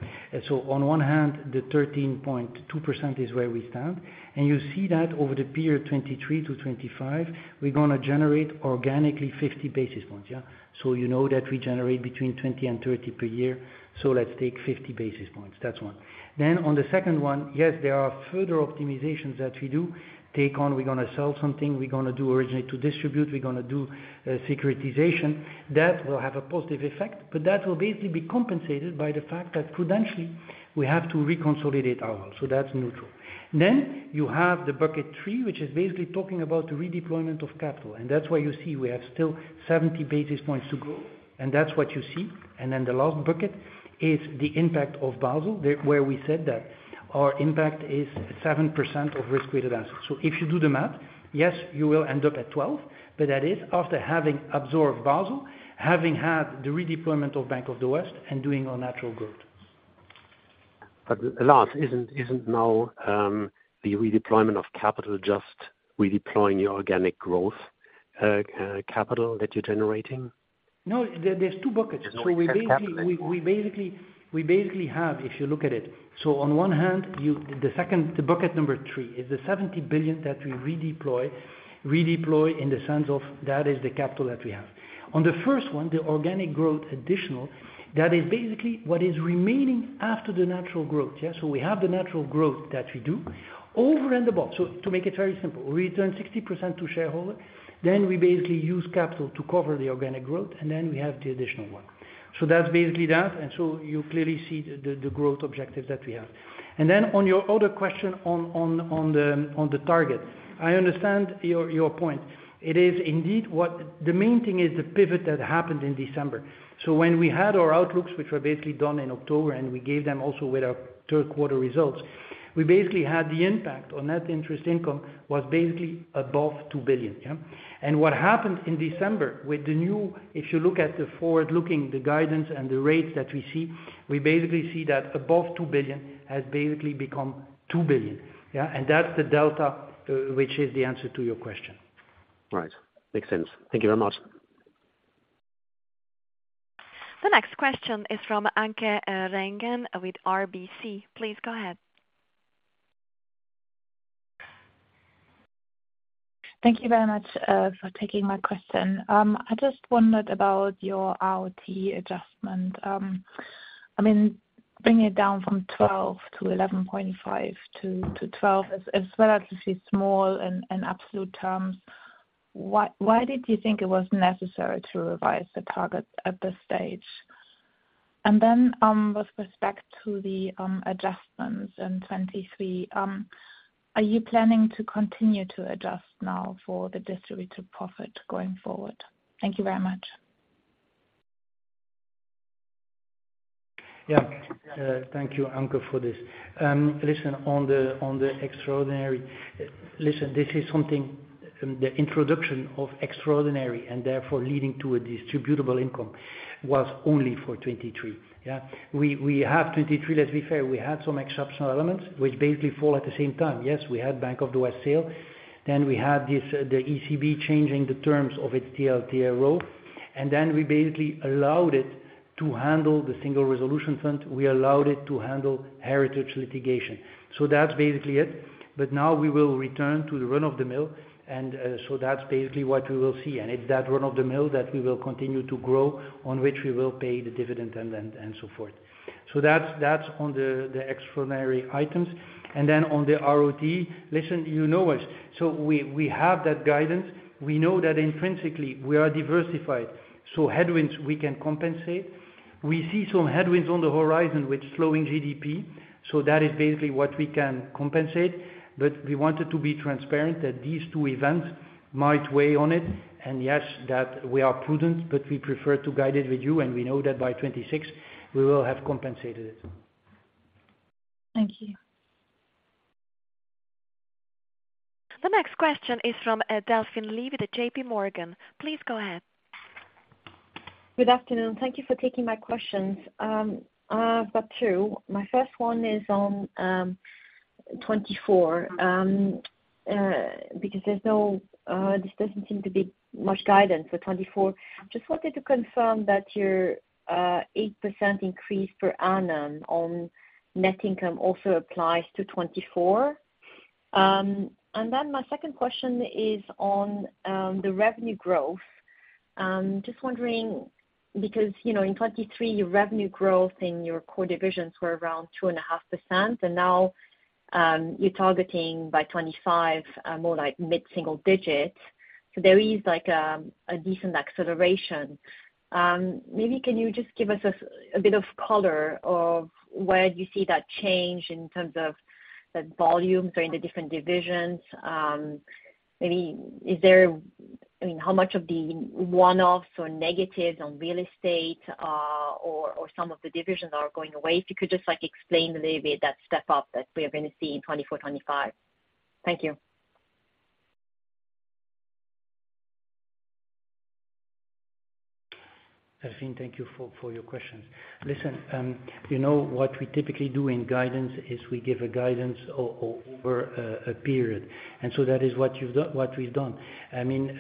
Speaker 3: So on one hand, the 13.2% is where we stand, and you see that over the period 2023 to 2025, we're gonna generate organically 50 basis points, yeah? So you know that we generate between 20 and 30 per year, so let's take 50 basis points. That's one. Then on the second one, yes, there are further optimizations that we do take on. We're gonna sell something, we're gonna do originally to distribute, we're gonna do securitization. That will have a positive effect, but that will basically be compensated by the fact that prudentially, we have to reconsolidate Arval, so that's neutral. Then, you have the bucket three, which is basically talking about the redeployment of capital, and that's why you see we have still 70 basis points to go, and that's what you see. And then the last bucket is the impact of Basel, where we said that our impact is 7% of risk-weighted assets. So if you do the math, yes, you will end up at 12, but that is after having absorbed Basel, having had the redeployment of Bank of the West, and doing our natural growth.
Speaker 4: But Lars, isn't now the redeployment of capital just redeploying your organic growth capital that you're generating?
Speaker 3: No, there, there's two buckets.
Speaker 4: There's no capital anymore.
Speaker 3: So we basically have, if you look at it, so on one hand, you—the second, the bucket number three, is the 70 billion that we redeploy, redeploy in the sense of that is the capital that we have. On the first one, the organic growth additional, that is basically what is remaining after the natural growth, yeah? So we have the natural growth that we do over and above. So to make it very simple, we return 60% to shareholder, then we basically use capital to cover the organic growth, and then we have the additional one. So that's basically that, and so you clearly see the growth objective that we have. And then on your other question on the target, I understand your point. It is indeed what the main thing is the pivot that happened in December. So when we had our outlooks, which were basically done in October, and we gave them also with our third quarter results, we basically had the impact on net interest income was basically above 2 billion, yeah? And what happened in December with the new, if you look at the forward-looking, the guidance and the rates that we see, we basically see that above 2 billion has basically become 2 billion, yeah? And that's the delta, which is the answer to your question.
Speaker 4: Right. Makes sense. Thank you very much.
Speaker 1: The next question is from Anke Reingen with RBC. Please go ahead.
Speaker 5: Thank you very much for taking my question. I just wondered about your ROTE adjustment. I mean, bringing it down from 12 to 11.5 to 12 is relatively small in absolute terms. Why did you think it was necessary to revise the target at this stage? And then, with respect to the adjustments in 2023, are you planning to continue to adjust now for the distributed profit going forward? Thank you very much.
Speaker 3: Yeah. Thank you, Anke, for this. Listen, on the, on the extraordinary, listen, this is something, the introduction of extraordinary, and therefore leading to a distributable income was only for 2023, yeah? We, we have 2023, let's be fair, we had some exceptional elements which basically fall at the same time. Yes, we had Bank of the West sale, then we had this, the ECB changing the terms of its TLTRO, and then we basically allowed it to handle the Single Resolution Fund. We allowed it to handle heritage litigation. So that's basically it. But now we will return to the run-of-the-mill, and, so that's basically what we will see. And it's that run-of-the-mill that we will continue to grow, on which we will pay the dividend and then, and so forth. So that's, that's on the, the extraordinary items. And then on the ROTE, listen, you know us, so we have that guidance. We know that intrinsically we are diversified, so headwinds we can compensate. We see some headwinds on the horizon with slowing GDP, so that is basically what we can compensate. But we wanted to be transparent that these two events might weigh on it, and yes, that we are prudent, but we prefer to guide it with you, and we know that by 2026, we will have compensated it.
Speaker 5: Thank you.
Speaker 1: The next question is from Delphine Lee with JPMorgan. Please go ahead.
Speaker 6: Good afternoon. Thank you for taking my questions. I've got two. My first one is on 2024 because this doesn't seem to be much guidance for 2024. Just wanted to confirm that your 8% increase per annum on net income also applies to 2024. And then my second question is on the revenue growth. Just wondering, because, you know, in 2023, your revenue growth in your core divisions were around 2.5%, and now, you're targeting by 2025, more like mid-single digits. So there is, like, a decent acceleration. Maybe can you just give us a bit of color of where you see that change in terms of the volumes or in the different divisions? Maybe is there... I mean, how much of the one-offs or negatives on Real Estate or some of the divisions are going away? If you could just, like, explain a little bit that step up that we are going to see in 2024, 2025. Thank you.
Speaker 3: Delphine, thank you for your questions. Listen, you know, what we typically do in guidance is we give a guidance over a period, and so that is what you've done, what we've done. I mean,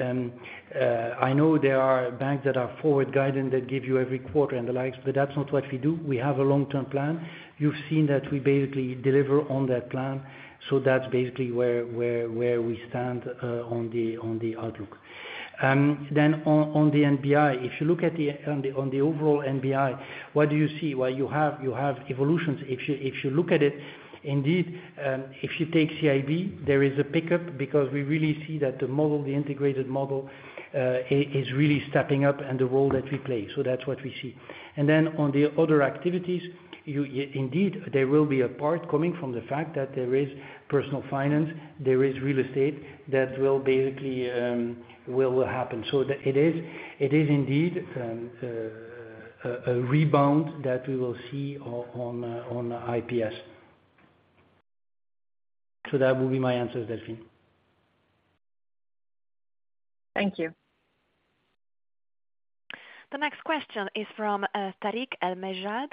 Speaker 3: I know there are banks that are forward guidance that give you every quarter and the likes, but that's not what we do. We have a long-term plan. You've seen that we basically deliver on that plan, so that's basically where we stand on the outlook. Then on the NBI, if you look at the overall NBI, what do you see? Well, you have evolutions. If you, if you look at it, indeed, if you take CIB, there is a pickup because we really see that the model, the integrated model, is really stepping up and the role that we play, so that's what we see. And then on the other activities, you, indeed, there will be a part coming from the fact that there is Personal Finance, there is Real Estate, that will basically, will happen. So it is, it is indeed, a rebound that we will see on IPS. So that will be my answer, Delphine.
Speaker 6: Thank you.
Speaker 1: The next question is from Tarik El Mejjad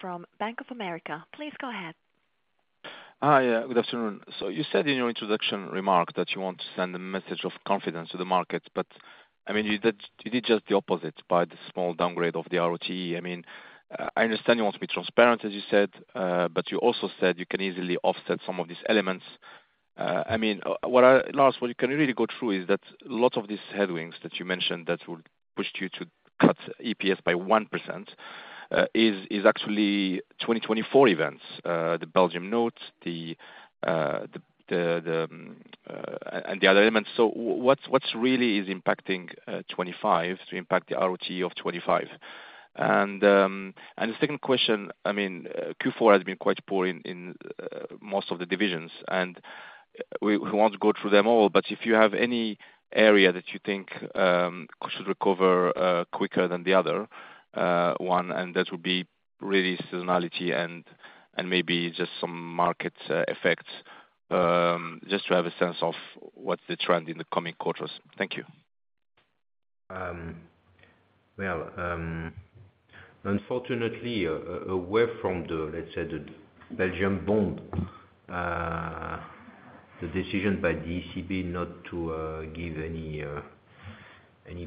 Speaker 1: from Bank of America. Please go ahead.
Speaker 7: Hi, good afternoon. So you said in your introduction remarks that you want to send a message of confidence to the market, but, I mean, you did, you did just the opposite by the small downgrade of the ROTE. I mean, I understand you want to be transparent, as you said, but you also said you can easily offset some of these elements. I mean, what you can really go through is that lots of these headwinds that you mentioned, that would pushed you to cut EPS by 1%, is actually 2024 events. The Belgian notes, the, and the other elements. So what's really impacting 25 to impact the ROTE of 25? The second question, I mean, Q4 has been quite poor in most of the divisions, and we won't go through them all, but if you have any area that you think should recover quicker than the other one, and that would be really seasonality and maybe just some market effects, just to have a sense of what's the trend in the coming quarters? Thank you.
Speaker 2: Well, unfortunately, away from the, let's say, the Belgian bond, the decision by ECB not to give any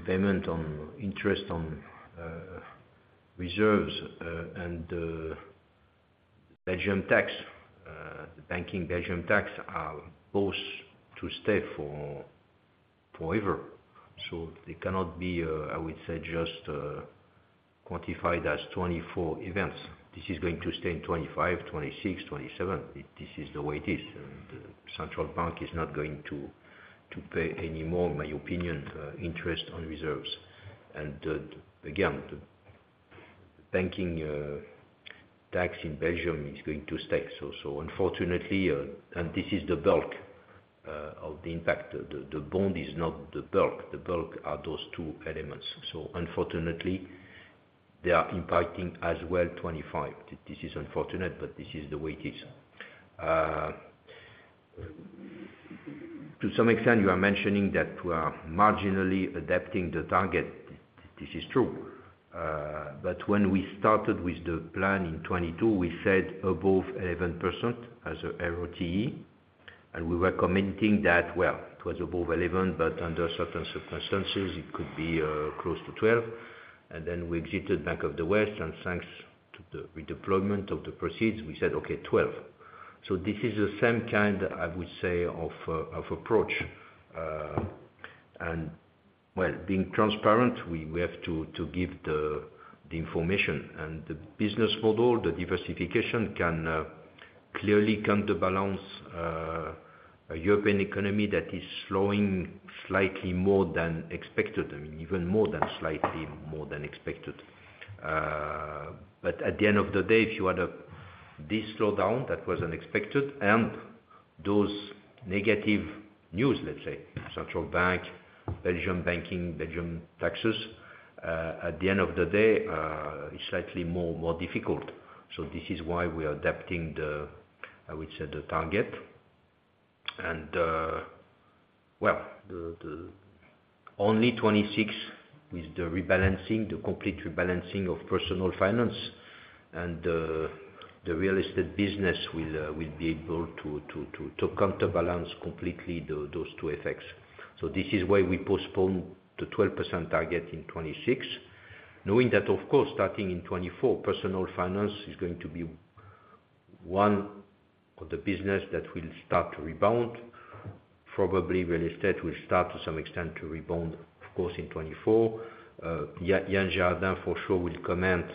Speaker 2: payment on interest on reserves, and Belgian tax, the banking Belgian tax, are both to stay forever. So they cannot be, I would say, just quantified as 2024 events. This is going to stay in 2025, 2026, 2027. This is the way it is, and the central bank is not going to pay any more, in my opinion, interest on reserves. And again, the banking tax in Belgium is going to stay. So unfortunately, and this is the bulk of the impact. The bond is not the bulk. The bulk are those two elements. So unfortunately, they are impacting as well, 2025. This is unfortunate, but this is the way it is. To some extent, you are mentioning that we are marginally adapting the target. This is true. But when we started with the plan in 2022, we said above 11% as a ROTE, and we were commenting that, well, it was above 11, but under certain circumstances, it could be close to 12. And then we exited Bank of the West, and thanks to the redeployment of the proceeds, we said, "Okay, 12." So this is the same kind, I would say, of approach, and well, being transparent, we have to give the information. And the business model, the diversification can clearly counterbalance a European economy that is slowing slightly more than expected, I mean, even more than slightly more than expected. But at the end of the day, if you had this slowdown that was unexpected, and those negative news, let's say, central bank, Belgium banking, Belgium taxes, at the end of the day, is slightly more difficult. So this is why we are adapting the, I would say, the target. And, well, the 2026 with the rebalancing, the complete rebalancing of Personal Finance, and the Real Estate business will be able to counterbalance completely those two effects. So this is why we postponed the 12% target in 2026, knowing that of course, starting in 2024, Personal Finance is going to be one of the business that will start to rebound. Probably Real Estate will start, to some extent, to rebound, of course, in 2024. Yann Gérardin, for sure, will comment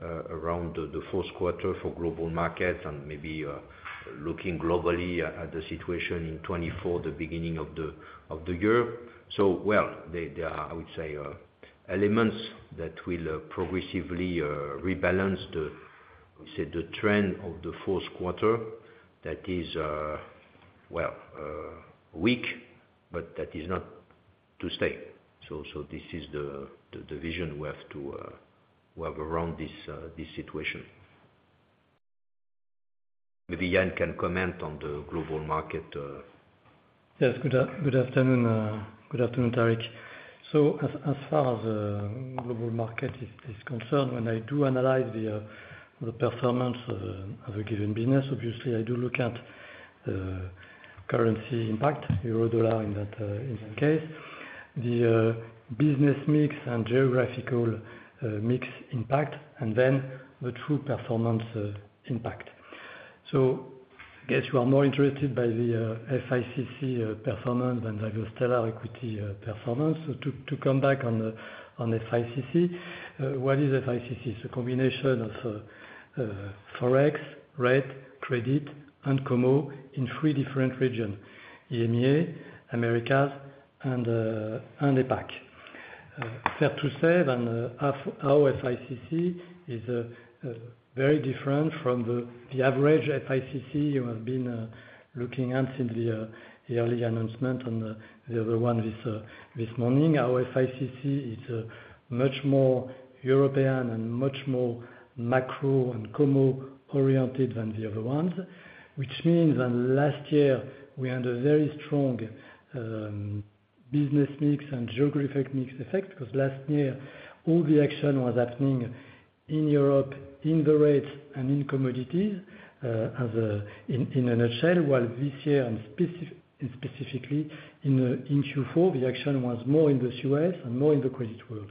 Speaker 2: around the fourth quarter for Global Marketss and maybe looking globally at the situation in 2024, the beginning of the year. So well, there, there are, I would say, elements that will progressively rebalance the, I would say, the trend of the fourth quarter. That is, well, weak, but that is not to stay. So, so this is the, the, the vision we have to, we have around this, this situation. Maybe Yann can comment on the Global Markets.
Speaker 8: Yes. Good afternoon, Tarik. So as far as Global Marketss is concerned, when I do analyze the performance of a given business, obviously, I do look at currency impact, Euro dollar in that case. The business mix and geographical mix impact, and then the true performance impact. So I guess you are more interested by the FICC performance than the stellar equity performance. So to come back on the FICC, what is FICC? It's a combination of Forex, rate, credit, and Commo in three different region, EMEA, Americas, and APAC. Fair to say, then, our FICC is very different from the average FICC you have been looking at since the early announcement and the other one this morning. Our FICC is much more European and much more macro and commo-oriented than the other ones, which means that last year, we had a very strong business mix and geographic mix effect, because last year, all the action was happening in Europe, in the rates, and in Commodities, as in a nutshell, while this year, and specifically in Q4, the action was more in the U.S. and more in the credit world....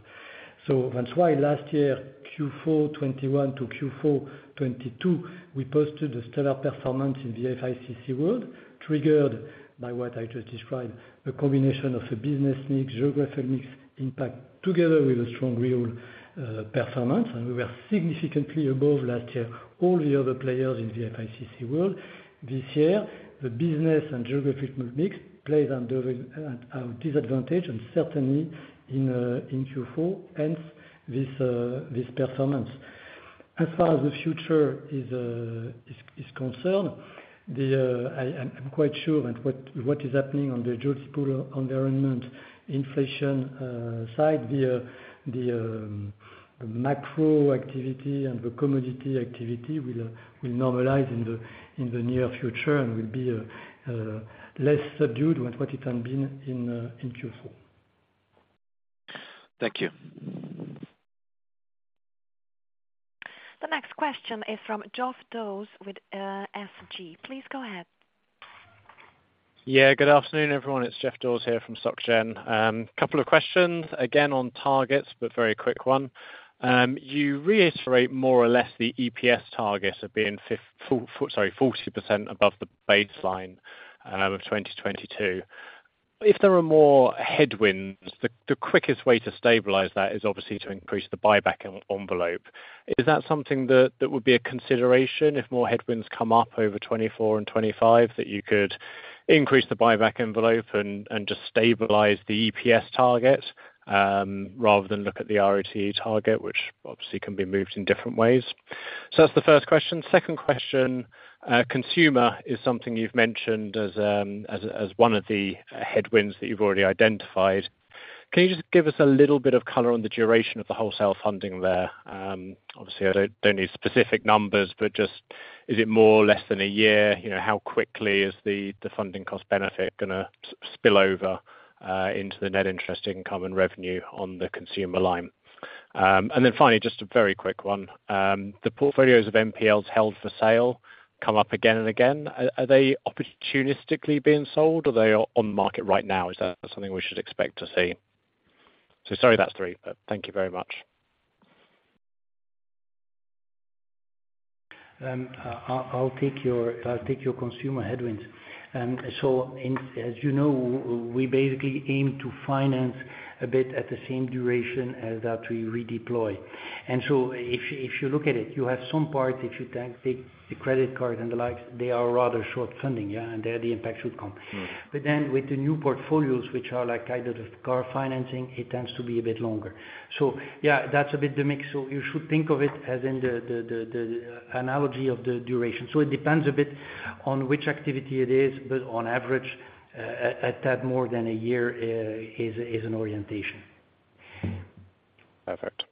Speaker 8: So that's why last year, Q4 2021 to Q4 2022, we posted a stellar performance in the FICC world, triggered by what I just described, a combination of the business mix, geographical mix impact, together with a strong real performance, and we were significantly above last year, all the other players in the FICC world. This year, the business and geographic mix plays at a disadvantage, and certainly in Q4, hence this performance. As far as the future is concerned, I'm quite sure that what is happening on the geopolitical environment inflation side, the macro activity and the commodity activity will normalize in the near future and will be less subdued with what it has been in Q4.
Speaker 7: Thank you.
Speaker 1: The next question is from Geoff Dawes with, SG. Please go ahead.
Speaker 9: Yeah, good afternoon, everyone. It's Geoff Dawes here from SocGen. Couple of questions, again, on targets, but very quick one. You reiterate more or less the EPS targets of being 40% above the baseline of 2022. If there are more headwinds, the quickest way to stabilize that is obviously to increase the buyback envelope. Is that something that would be a consideration if more headwinds come up over 2024 and 2025, that you could increase the buyback envelope and just stabilize the EPS target, rather than look at the ROTE target, which obviously can be moved in different ways? So that's the first question. Second question, consumer is something you've mentioned as one of the headwinds that you've already identified. Can you just give us a little bit of color on the duration of the wholesale funding there? Obviously, I don't, don't need specific numbers, but just, is it more, less than a year? You know, how quickly is the funding cost benefit gonna spill over into the net interest income and revenue on the consumer line? And then finally, just a very quick one, the portfolios of NPLs held for sale come up again and again. Are they opportunistically being sold, or they are on the market right now? Is that something we should expect to see? So sorry, that's three, but thank you very much.
Speaker 3: I'll take your consumer headwinds. So, as you know, we basically aim to finance a bit at the same duration as that we redeploy. So if you look at it, you have some parts. If you take the credit card and the like, they are rather short funding, yeah, and there the impact should come.
Speaker 9: Mm-hmm.
Speaker 3: Then with the new portfolios, which are like kind of car financing, it tends to be a bit longer. So yeah, that's a bit the mix, so you should think of it as in the analogy of the duration. So it depends a bit on which activity it is, but on average, at that more than a year is an orientation.
Speaker 9: Perfect.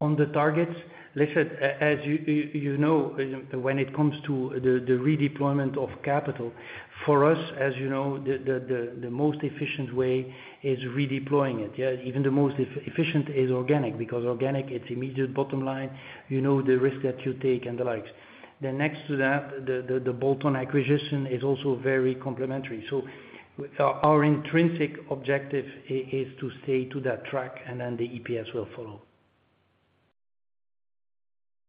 Speaker 3: On the targets, listen, as you know, when it comes to the redeployment of capital, for us, as you know, the most efficient way is redeploying it, yeah? Even the most efficient is organic, because organic, it's immediate bottom line, you know the risk that you take and the likes. Then next to that, the bolt-on acquisition is also very complementary. So our intrinsic objective is to stay to that track, and then the EPS will follow.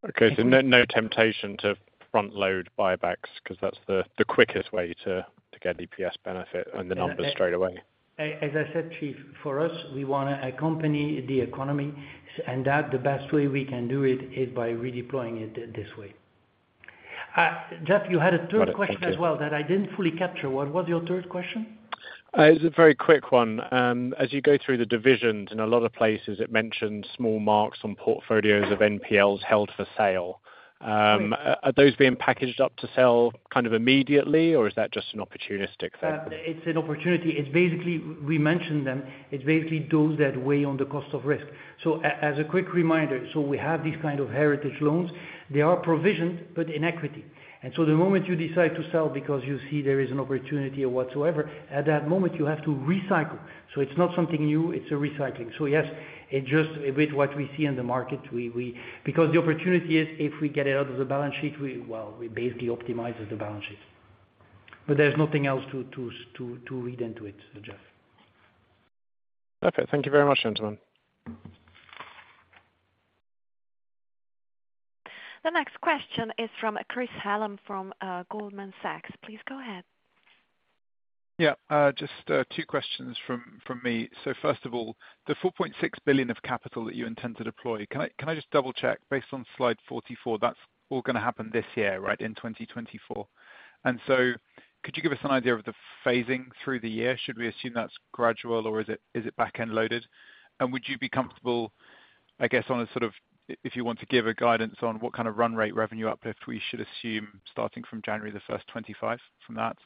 Speaker 9: Okay.
Speaker 3: Got it.
Speaker 9: So no, no temptation to front-load buybacks, 'cause that's the quickest way to get EPS benefit and the numbers straight away.
Speaker 3: As I said, Geoff, for us, we wanna accompany the economy, and that, the best way we can do it is by redeploying it this way. Geoff, you had a third question-
Speaker 9: Got it. Thank you.
Speaker 3: as well that I didn't fully capture. What was your third question?
Speaker 9: It's a very quick one. As you go through the divisions, in a lot of places it mentions small marks on portfolios of NPLs held for sale.
Speaker 3: Right.
Speaker 9: Are those being packaged up to sell kind of immediately, or is that just an opportunistic thing?
Speaker 3: It's an opportunity. It's basically, we mentioned them, it's basically those that weigh on the cost of risk. So as a quick reminder, so we have these kind of heritage loans. They are provisioned, but in equity. And so the moment you decide to sell because you see there is an opportunity or whatsoever, at that moment, you have to recycle. So it's not something new, it's a recycling. So yes, it just with what we see in the market, we... Because the opportunity is, if we get it out of the balance sheet, we, well, we basically optimizes the balance sheet. But there's nothing else to read into it, Geoff.
Speaker 9: Perfect. Thank you very much, gentlemen.
Speaker 1: The next question is from Chris Hallam from Goldman Sachs. Please go ahead.
Speaker 10: Yeah, just two questions from me. So first of all, the 4.6 billion of capital that you intend to deploy, can I just double-check, based on slide 44, that's all gonna happen this year, right, in 2024? And so could you give us an idea of the phasing through the year? Should we assume that's gradual, or is it back-end loaded? And would you be comfortable, I guess, on a sort of, if you want to give a guidance on what kind of run rate revenue uplift we should assume, starting from January 1, 2025 from that?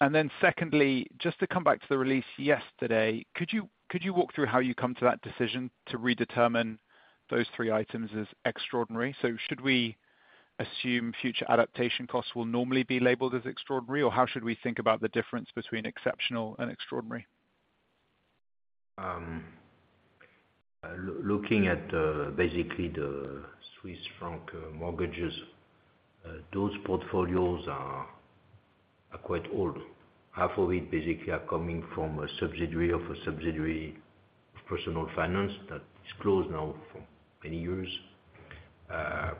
Speaker 10: And then secondly, just to come back to the release yesterday, could you walk through how you come to that decision to redetermine those three items as extraordinary? So should we assume future adaptation costs will normally be labeled as extraordinary, or how should we think about the difference between exceptional and extraordinary?...
Speaker 2: Looking at basically the Swiss franc mortgages, those portfolios are quite old. Half of it basically are coming from a subsidiary of a subsidiary of Personal Finance that is closed now for many years.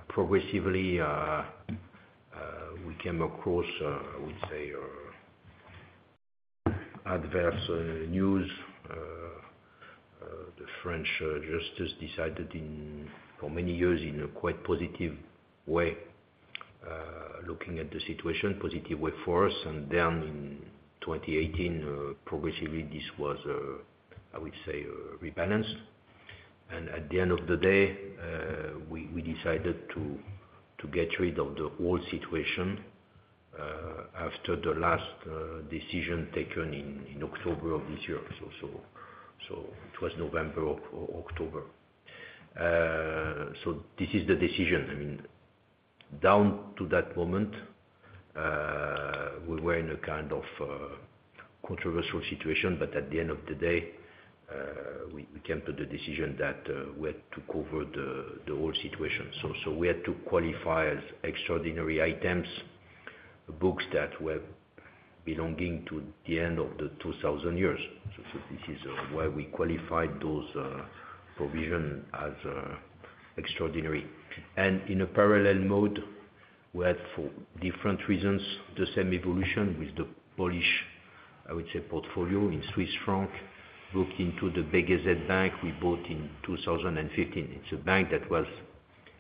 Speaker 2: Progressively we came across, I would say, adverse news. The French justice decided in for many years in a quite positive way looking at the situation, positive way for us, and then in 2018 progressively this was, I would say, rebalanced. And at the end of the day, we decided to get rid of the whole situation after the last decision taken in October of this year. So it was November or October. So this is the decision. I mean, down to that moment, we were in a kind of, controversial situation. But at the end of the day, we, we came to the decision that, we had to cover the, the whole situation. So, so we had to qualify as extraordinary items, books that were belonging to the end of the 2000s. So, so this is, why we qualified those, provision as, extraordinary. And in a parallel mode, we had, for different reasons, the same evolution with the Polish, I would say, portfolio in Swiss franc, booked into the BGŻ BNP Paribas we bought in 2015. It's a bank that was,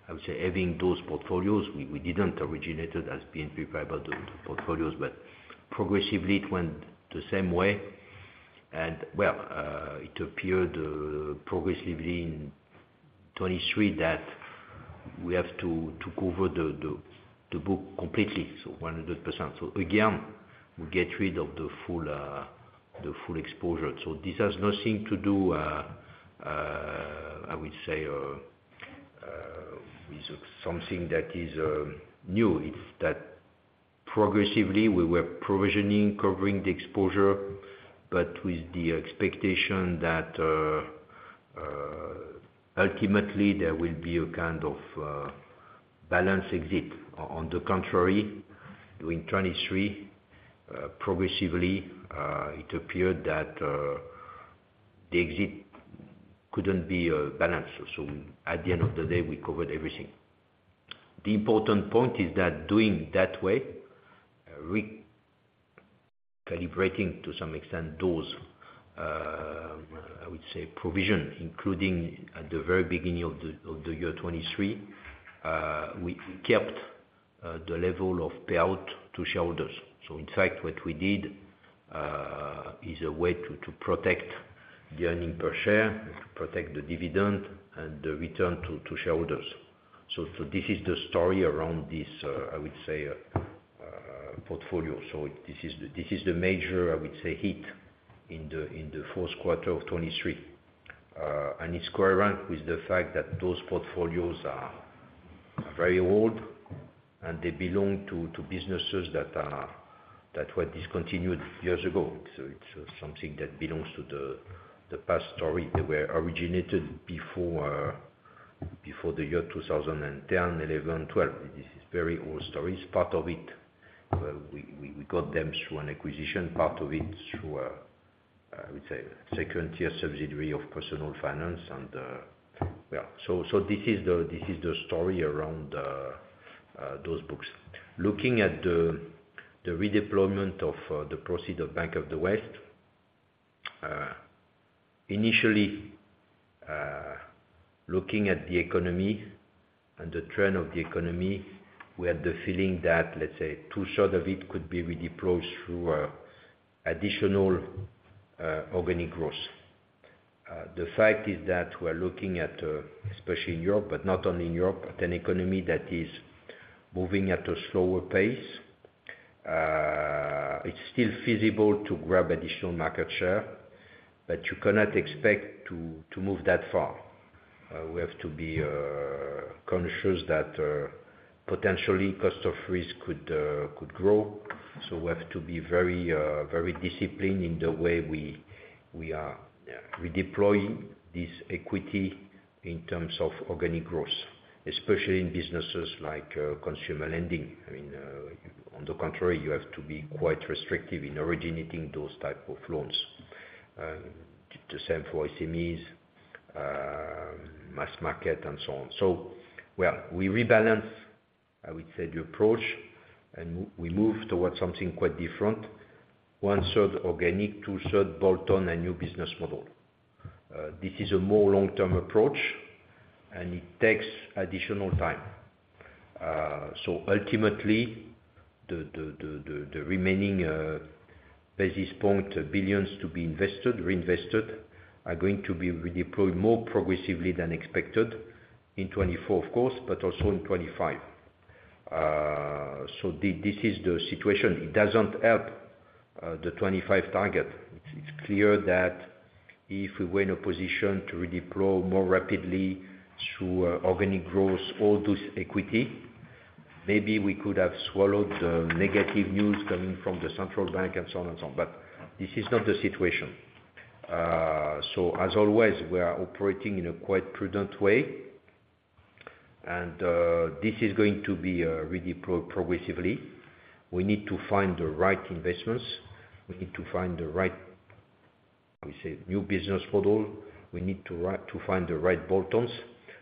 Speaker 2: I would say, having those portfolios. We, we didn't originate it as BNP Paribas, the, the portfolios, but progressively it went the same way. And, well, it appeared progressively in 2023 that we have to cover the book completely, so 100%. So again, we get rid of the full exposure. So this has nothing to do, I would say, with something that is new. It's that progressively, we were provisioning, covering the exposure, but with the expectation that ultimately there will be a kind of balanced exit. On the contrary, during 2023, progressively, it appeared that the exit couldn't be balanced. So at the end of the day, we covered everything. The important point is that doing that way, recalibrating to some extent, those, I would say, provision, including at the very beginning of the year 2023, we kept the level of payout to shareholders. So in fact, what we did is a way to protect the earnings per share, to protect the dividend, and the return to shareholders. So this is the story around this, I would say, portfolio. So this is the major, I would say, hit in the fourth quarter of 2023. And it's quite linked with the fact that those portfolios are very old, and they belong to businesses that were discontinued years ago. So it's something that belongs to the past story. They were originated before the year 2010, 2011, 2012. This is very old stories. Part of it, we got them through an acquisition, part of it through a, I would say, second-tier subsidiary of Personal Finance, and, well, so this is the story around those books. Looking at the redeployment of the proceeds of Bank of the West, initially, looking at the economy and the trend of the economy, we had the feeling that, let's say, two-thirds of it could be redeployed through additional organic growth. The fact is that we're looking at, especially in Europe, but not only in Europe, an economy that is moving at a slower pace. It's still feasible to grab additional market share, but you cannot expect to move that far. We have to be conscious that potentially, cost of risk could grow, so we have to be very, very disciplined in the way we are redeploying this equity in terms of organic growth, especially in businesses like consumer lending. I mean, on the contrary, you have to be quite restrictive in originating those type of loans. The same for SMEs, mass market, and so on. So, well, we rebalance, I would say, the approach, and we move towards something quite different. One-third organic, two-thirds bolt-on and new business model. This is a more long-term approach, and it takes additional time. So ultimately, the remaining basis points, billions to be invested, reinvested, are going to be redeployed more progressively than expected in 2024, of course, but also in 2025. So this is the situation. It doesn't help the 25 target. It's clear that if we were in a position to redeploy more rapidly through organic growth, all those equity-... maybe we could have swallowed the negative news coming from the central bank and so on, and so on, but this is not the situation. So as always, we are operating in a quite prudent way, and this is going to be really progressively. We need to find the right investments. We need to find the right, we say, new business model. We need to find the right bolt-ons,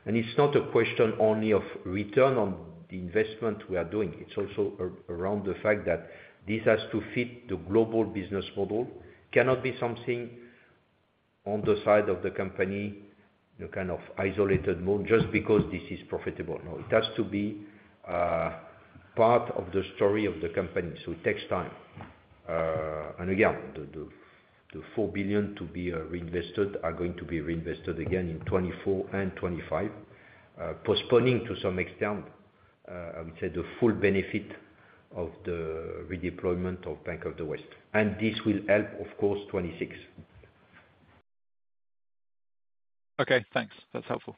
Speaker 2: and it's not a question only of return on the investment we are doing, it's also around the fact that this has to fit the global business model. Cannot be something on the side of the company, the kind of isolated mode, just because this is profitable. No, it has to be part of the story of the company, so it takes time. and again, the 4 billion to be reinvested are going to be reinvested again in 2024 and 2025, postponing to some extent, I would say, the full benefit of the redeployment of Bank of the West, and this will help, of course, 2026.
Speaker 10: Okay, thanks. That's helpful.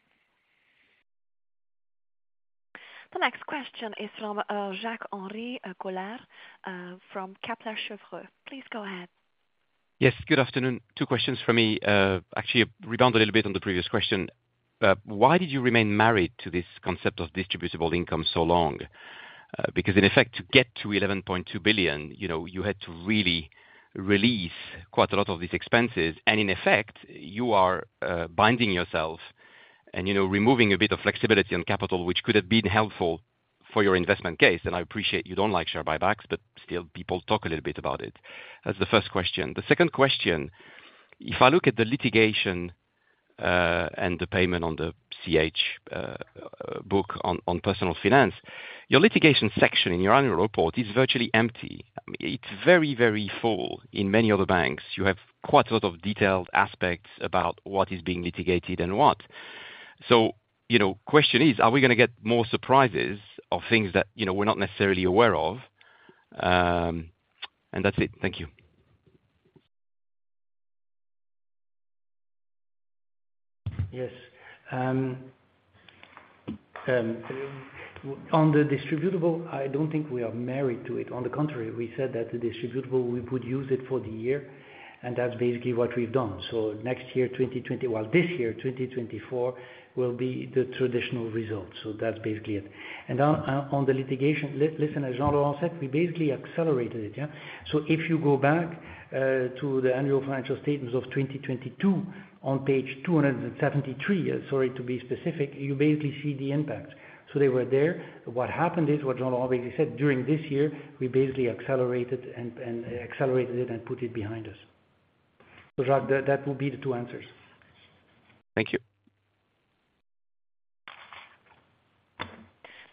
Speaker 1: The next question is from Jacques-Henri Gaulard from Kepler Cheuvreux. Please go ahead.
Speaker 11: Yes, good afternoon. Two questions for me. Actually rebound a little bit on the previous question. Why did you remain married to this concept of distributable income so long? Because in effect, to get to 11.2 billion, you know, you had to really release quite a lot of these expenses, and in effect, you are binding yourself and, you know, removing a bit of flexibility on capital, which could have been helpful for your investment case. And I appreciate you don't like share buybacks, but still, people talk a little bit about it. That's the first question. The second question, if I look at the litigation and the payment on the CHF book on Personal Finance, your litigation section in your annual report is virtually empty. I mean, it's very, very full in many other banks. You have quite a lot of detailed aspects about what is being litigated and what. So, you know, question is, are we gonna get more surprises or things that, you know, we're not necessarily aware of? And that's it. Thank you.
Speaker 3: Yes. On the distributable, I don't think we are married to it. On the contrary, we said that the distributable, we would use it for the year, and that's basically what we've done. So next year, 2020... Well, this year, 2024, will be the traditional result. So that's basically it. And on the litigation, listen, as Jean said, we basically accelerated it, yeah? So if you go back to the annual financial statements of 2022, on page 273, sorry, to be specific, you basically see the impact. So they were there. What happened is, what Jean already said, during this year, we basically accelerated and accelerated it and put it behind us. So, Jacques, that will be the two answers.
Speaker 11: Thank you.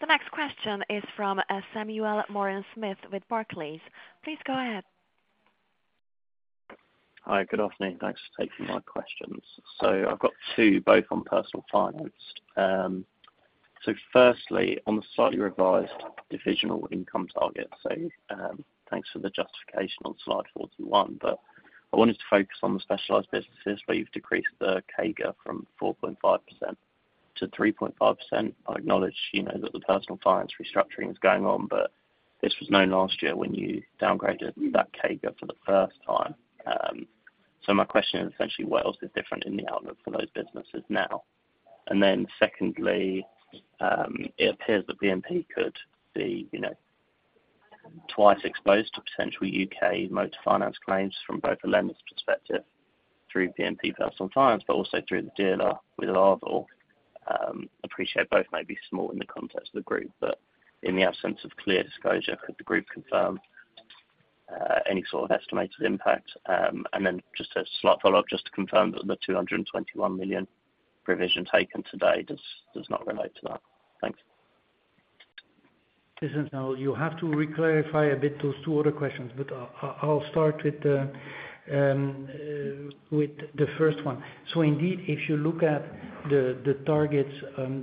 Speaker 1: The next question is from Samuel Sherwood with Barclays. Please go ahead.
Speaker 12: Hi, good afternoon. Thanks for taking my questions. So I've got two, both on Personal Finance. So firstly, on the slightly revised divisional income target, so, thanks for the justification on slide 41, but I wanted to focus on the specialized businesses, where you've decreased the CAGR from 4.5% to 3.5%. I acknowledge, you know, that the Personal Finance restructuring is going on, but this was known last year when you downgraded that CAGR for the first time. So my question is essentially, what else is different in the outlook for those businesses now? And then secondly, it appears that BNP could be, you know, twice exposed to potential UK motor finance claims from both a lender's perspective, through BNP Personal Finance, but also through the dealer with Arval. Appreciate both may be small in the context of the group, but in the absence of clear disclosure, could the group confirm any sort of estimated impact? And then just a slight follow-up, just to confirm that the 221 million provision taken today does not relate to that. Thanks.
Speaker 3: Listen, now, you have to reclarify a bit those two other questions, but I'll start with the first one. So indeed, if you look at the targets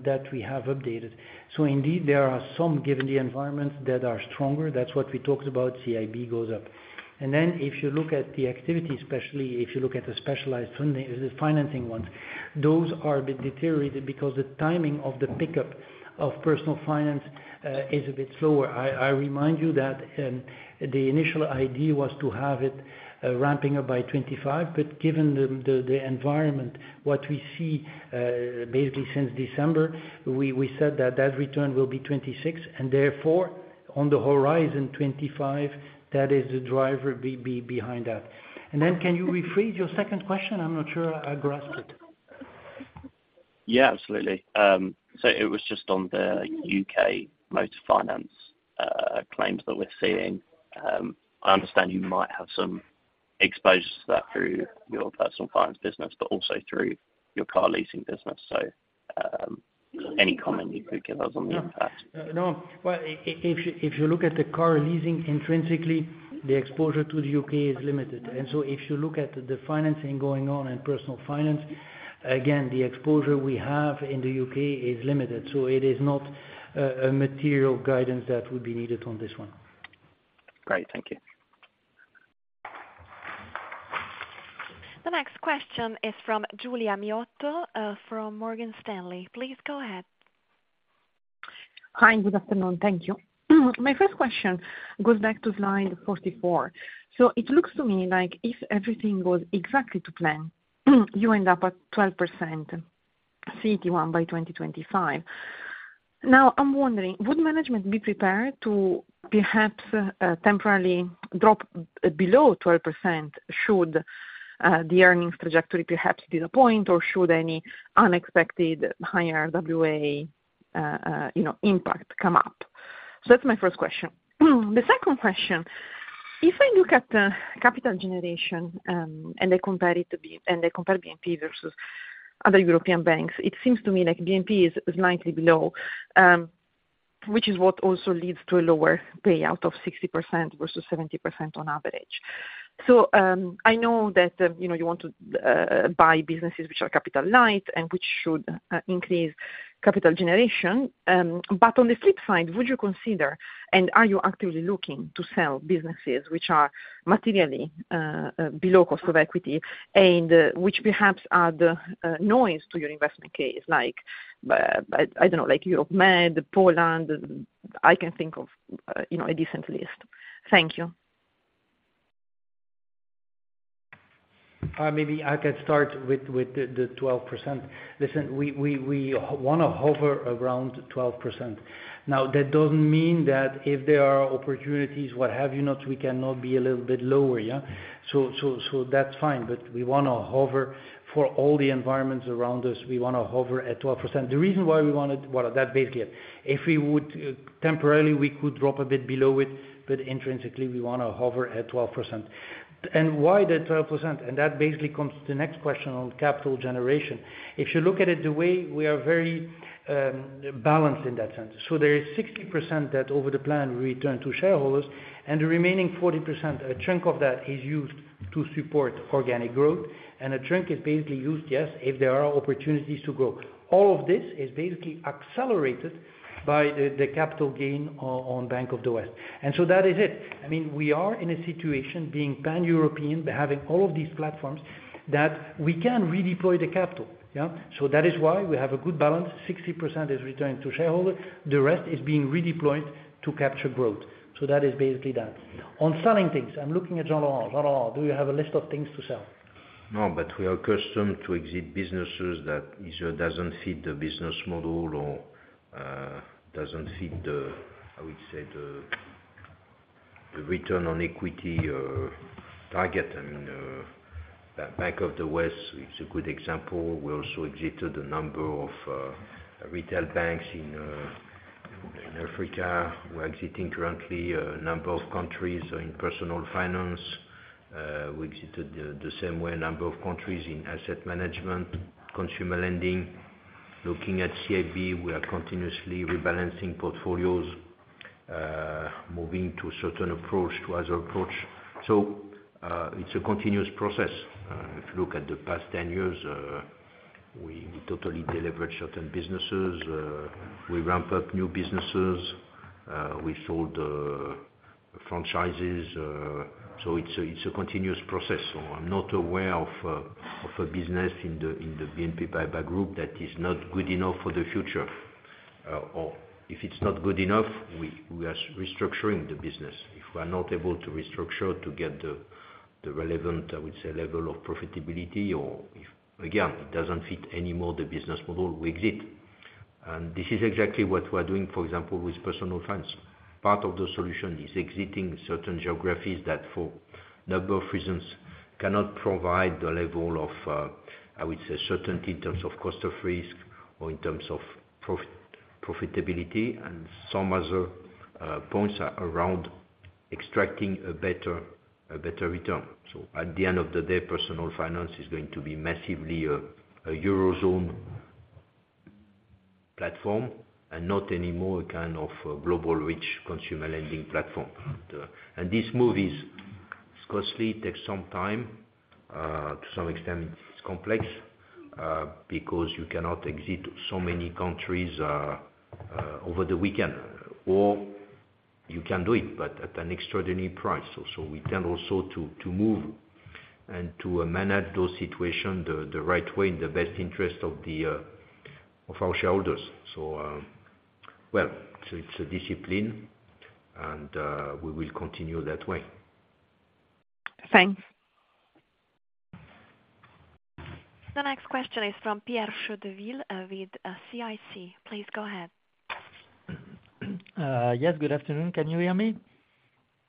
Speaker 3: that we have updated, so indeed, there are some, given the environment, that are stronger. That's what we talked about, CIB goes up. And then, if you look at the activity, especially if you look at the specialized funding, the financing ones, those are a bit deteriorated because the timing of the pickup of Personal Finance is a bit slower. I remind you that the initial idea was to have it ramping up by 2025, but given the environment, what we see basically since December, we said that that return will be 2026, and therefore, on the horizon, 2025, that is the driver behind that. And then, can you rephrase your second question? I'm not sure I grasped it.
Speaker 12: Yeah, absolutely. So it was just on the UK motor finance claims that we're seeing. I understand you might have some exposure to that through your Personal Finance business, but also through your car leasing business. So, any comment you could give us on the impact?
Speaker 3: No. Well, if, if you look at the car leasing, intrinsically, the exposure to the UK is limited. And so if you look at the financing going on in Personal Finance, again, the exposure we have in the UK is limited, so it is not a material guidance that would be needed on this one.
Speaker 12: Great. Thank you.
Speaker 1: The next question is from Giulia Miotto, from Morgan Stanley. Please go ahead.
Speaker 13: Hi, good afternoon. Thank you. My first question goes back to slide 44. So it looks to me like if everything goes exactly to plan, you end up at 12% CET1 by 2025. Now, I'm wondering, would management be prepared to perhaps temporarily drop below 12% should the earnings trajectory perhaps disappoint, or should any unexpected higher RWA, you know, impact come up? So that's my first question. The second question, if I look at the capital generation, and I compare it to BNP and I compare BNP versus other European banks, it seems to me like BNP is slightly below, which is what also leads to a lower payout of 60% versus 70% on average. So, I know that, you know, you want to buy businesses which are capital light, and which should increase capital generation. But on the flip side, would you consider, and are you actively looking to sell businesses which are materially below cost of equity, and which perhaps are the noise to your investment case? Like, I don't know, like Europe, Med, Poland, I can think of, you know, a decent list. Thank you.
Speaker 3: Maybe I can start with the 12%. Listen, we wanna hover around 12%. Now, that doesn't mean that if there are opportunities, what have you not, we cannot be a little bit lower, yeah? So that's fine, but we wanna hover for all the environments around us, we wanna hover at 12%. The reason why we want it, well, that basically it, if we would temporarily, we could drop a bit below it, but intrinsically, we wanna hover at 12%. And why the 12%? And that basically comes to the next question on capital generation. If you look at it, the way we are very balanced in that sense. So there is 60% that, over the plan, we return to shareholders, and the remaining 40%, a chunk of that is used to support organic growth, and a chunk is basically used, yes, if there are opportunities to grow. All of this is basically accelerated by the capital gain on Bank of the West. And so that is it. I mean, we are in a situation, being pan-European, having all of these platforms, that we can redeploy the capital, yeah? So that is why we have a good balance, 60% is returned to shareholders, the rest is being redeployed to capture growth. So that is basically that. On selling things, I'm looking at Jean-Laurent. Jean-Laurent, do you have a list of things to sell?
Speaker 2: No, but we are accustomed to exit businesses that either doesn't fit the business model or doesn't fit the, I would say, the return on equity target. I mean that Bank of the West is a good example. We also exited a number of retail banks in Africa. We're exiting currently a number of countries in Personal Finance. We exited the same way a number of countries in asset management, consumer lending. Looking at CIB, we are continuously rebalancing portfolios, moving to a certain approach, to other approach. So it's a continuous process. If you look at the past 10 years, we totally delivered certain businesses, we ramp up new businesses, we sold franchises, so it's a continuous process. So I'm not aware of a business in the BNP Paribas group that is not good enough for the future. Or if it's not good enough, we are restructuring the business. If we are not able to restructure to get the relevant, I would say, level of profitability, or if, again, it doesn't fit anymore the business model, we exit. And this is exactly what we're doing, for example, with Personal Finance. Part of the solution is exiting certain geographies that, for number of reasons, cannot provide the level of, I would say, certainty in terms of cost of risk or in terms of profitability, and some other points are around extracting a better, a better return. So at the end of the day, Personal Finance is going to be massively a Eurozone platform and not anymore a kind of a global rich consumer lending platform. And this move is costly, it takes some time. To some extent it's complex, because you cannot exit so many countries over the weekend. Or you can do it, but at an extraordinary price. So we can also to move and to manage those situations the right way, in the best interest of our shareholders. So, well, it's a discipline, and we will continue that way.
Speaker 13: Thanks.
Speaker 1: The next question is from Pierre Chedeville with CIC. Please go ahead.
Speaker 14: Yes, good afternoon. Can you hear me?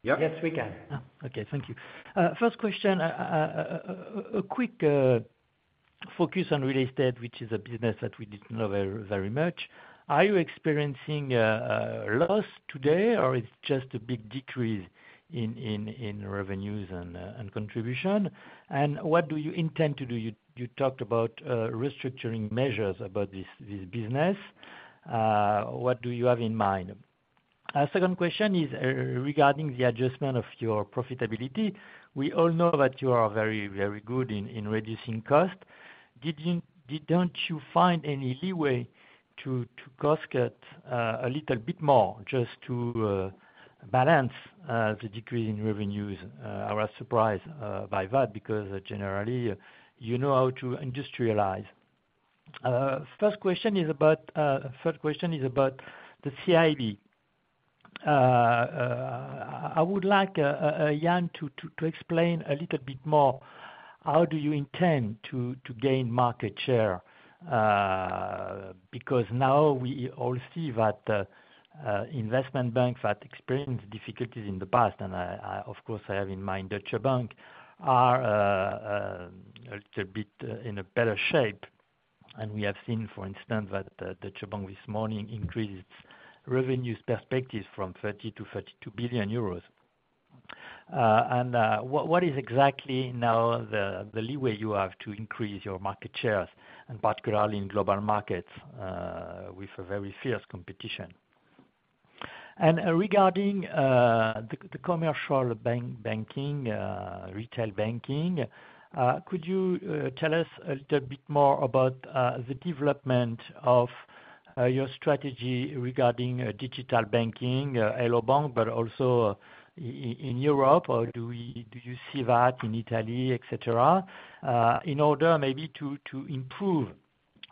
Speaker 3: Yep.
Speaker 2: Yes, we can.
Speaker 14: Ah, okay. Thank you. First question, a quick focus on Real Estate, which is a business that we didn't know very, very much. Are you experiencing a loss today, or it's just a big decrease in revenues and contribution? And what do you intend to do? You talked about restructuring measures about this business. What do you have in mind? Second question is regarding the adjustment of your profitability. We all know that you are very good in reducing cost. Did you, didn't you find any leeway to cost cut a little bit more just to balance the decrease in revenues? I was surprised by that, because generally, you know how to industrialize. First question is about, third question is about the CIB. I would like Yann to explain a little bit more, how do you intend to gain market share? Because now we all see that investment banks that experienced difficulties in the past, and I, of course, have in mind Deutsche Bank, are a little bit in a better shape. And we have seen, for instance, that Deutsche Bank this morning increased its revenues perspective from 30 billion to 32 billion euros. And what is exactly now the leeway you have to increase your market shares, and particularly in Global Marketss, with a very fierce competition? Regarding the commercial banking, retail banking, could you tell us a little bit more about the development of your strategy regarding digital banking, Hello bank, but also in Europe, or do you see that in Italy, et cetera? In order maybe to improve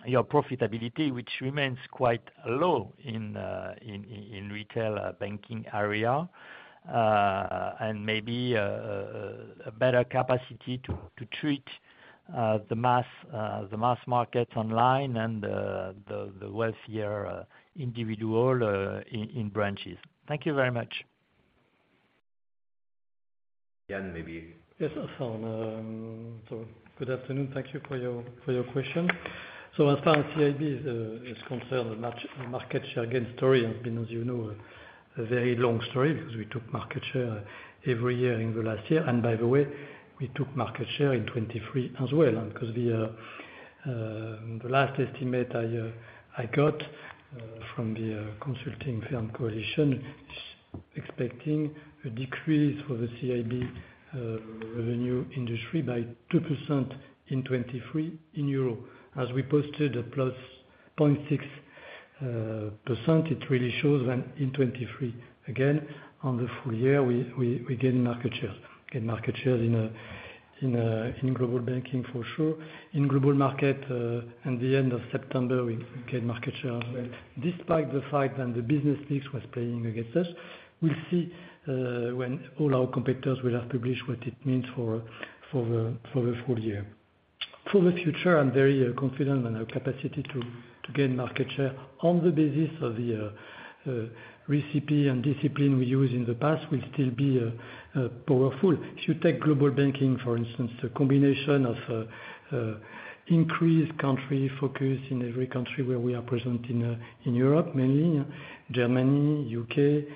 Speaker 14: your profitability, which remains quite low in the retail banking area, and maybe a better capacity to treat the mass market online, and the wealthier individual in branches. Thank you very much.
Speaker 3: Yann, maybe.
Speaker 8: Yes, so good afternoon. Thank you for your question. So as far as CIB is concerned, the market share gain story has been, as you know, a very long story, because we took market share every year in the last year. And by the way, we took market share in 2023 as well, because the last estimate I got from the consulting firm Coalition is expecting a decrease for the CIB revenue industry by 2% in 2023 in EUR. As we posted +0.6%, it really shows that in 2023, again, on the full year, we gain market share, gain market share in Global Banking, for sure. In Global Marketss, in the end of September, we gained market share, despite the fact that the business mix was playing against us. We'll see, when all our competitors will have published what it means for, for the, for the full year. For the future, I'm very, confident in our capacity to, to gain market share on the basis of the, recipe and discipline we used in the past will still be, powerful. If you take Global Banking, for instance, the combination of, increased country focus in every country where we are present in, in Europe, mainly Germany, U.K.,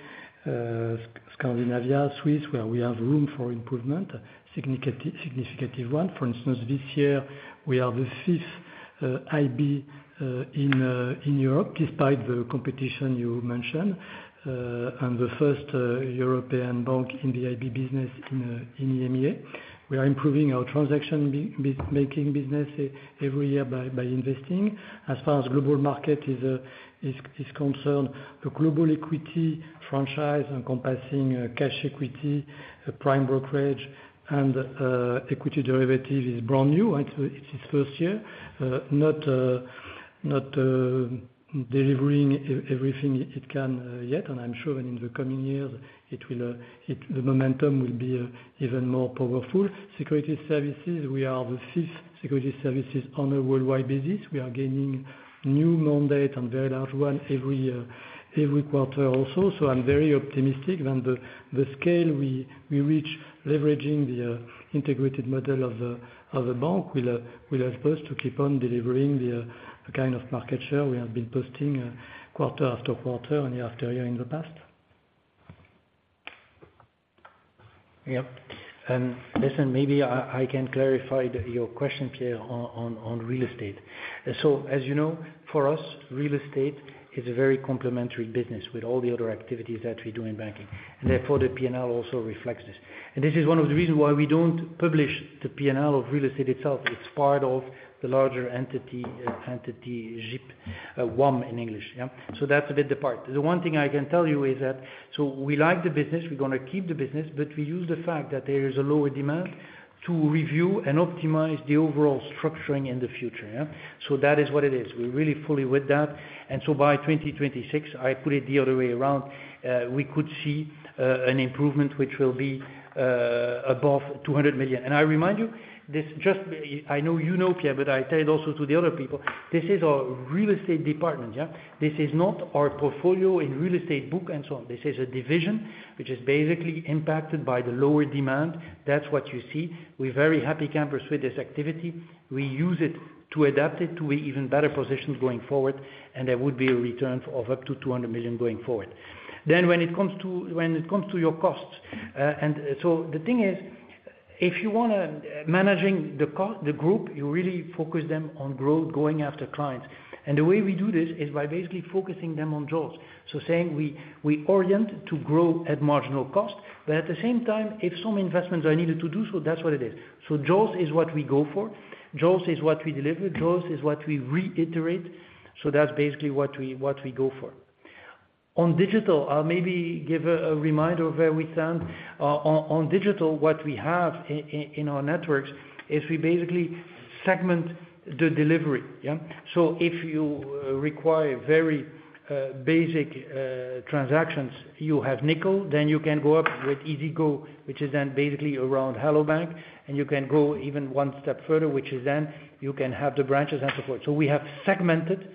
Speaker 8: Scandinavia, Switzerland, where we have room for improvement, significant, significant one. For instance, this year, we are the fifth IB in Europe, despite the competition you mentioned, and the first European bank in the IB business in EMEA. We are improving our transaction banking business every year by investing. As far as Global Marketss is concerned, the global equity franchise encompassing cash equity, prime brokerage, and equity derivative is brand new, right? It's in its first year. Not delivering everything it can yet, and I'm sure that in the coming years, it will, the momentum will be even more powerful. Securities Services, we are the fifth Securities Services on a worldwide basis. We are gaining new mandate, and very large one, every quarter also. So I'm very optimistic that the scale we reach leveraging the integrated model of the bank will help us to keep on delivering the kind of market share we have been posting quarter after quarter and year after year in the past.
Speaker 3: Yep. And listen, maybe I can clarify your question, Pierre, on Real Estate. So as you know, for us, Real Estate is a very complementary business with all the other activities that we do in banking, and therefore, the P&L also reflects this. And this is one of the reasons why we don't publish the P&L of Real Estate itself. It's part of the larger entity IPS, WAM in English, yeah? So that's a bit the part. The one thing I can tell you is that, so we like the business, we're gonna keep the business, but we use the fact that there is a lower demand to review and optimize the overall structuring in the future, yeah? So that is what it is. We're really fully with that, and so by 2026, I put it the other way around, we could see an improvement which will be above 200 million. And I remind you, this just, I know you know, Pierre, but I tell it also to the other people, this is our Real Estate department, yeah? This is not our portfolio in Real Estate book, and so on. This is a division, which is basically impacted by the lower demand. That's what you see. We're very happy with this activity. We use it to adapt it to a even better position going forward, and there would be a return of up to 200 million going forward. Then, when it comes to, when it comes to your costs, and so the thing is, if you want to manage the group, you really focus them on jaws. And the way we do this is by basically focusing them on jaws. So saying, we, we orient to grow at marginal cost, but at the same time, if some investments are needed to do so, that's what it is. So jaws is what we go for, jaws is what we deliver, jaws is what we reiterate, so that's basically what we, what we go for. On digital, I'll maybe give a reminder of where we stand. On digital, what we have in our networks is we basically segment the delivery, yeah? So if you require very basic transactions, you have Nickel, then you can go up with Easy Go, which is then basically around Hello bank, and you can go even one step further, which is then you can have the branches and so forth. So we have segmented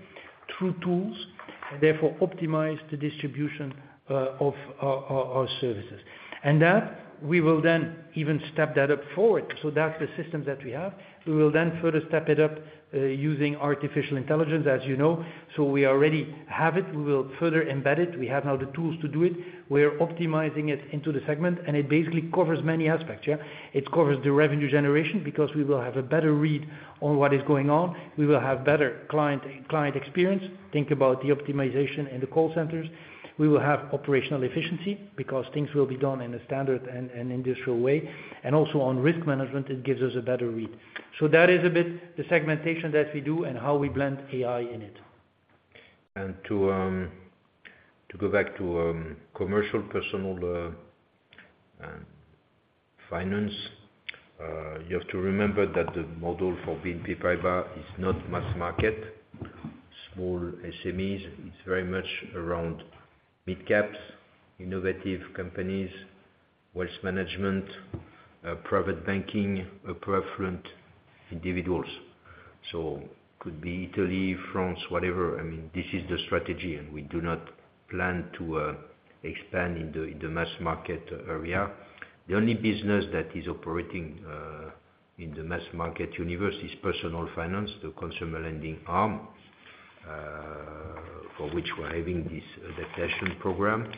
Speaker 3: through tools and therefore optimized the distribution of our services. And that, we will then even step that up forward, so that's the system that we have. We will then further step it up using artificial intelligence, as you know, so we already have it. We will further embed it. We have now the tools to do it. We are optimizing it into the segment, and it basically covers many aspects, yeah? It covers the revenue generation, because we will have a better read on what is going on. We will have better client, client experience. Think about the optimization in the call centers. We will have operational efficiency, because things will be done in a standard and industrial way, and also on risk management, it gives us a better read. So that is a bit the segmentation that we do, and how we blend AI in it.
Speaker 2: And to go back to commercial, personal, and finance, you have to remember that the model for BNP Paribas is not mass market. Small SMEs, it's very much around mid-caps, innovative companies, wealth management, private banking, affluent individuals. So could be Italy, France, whatever. I mean, this is the strategy, and we do not plan to expand in the mass market area. The only business that is operating in the mass market universe is Personal Finance, the consumer lending arm, for which we're having this adaptation program.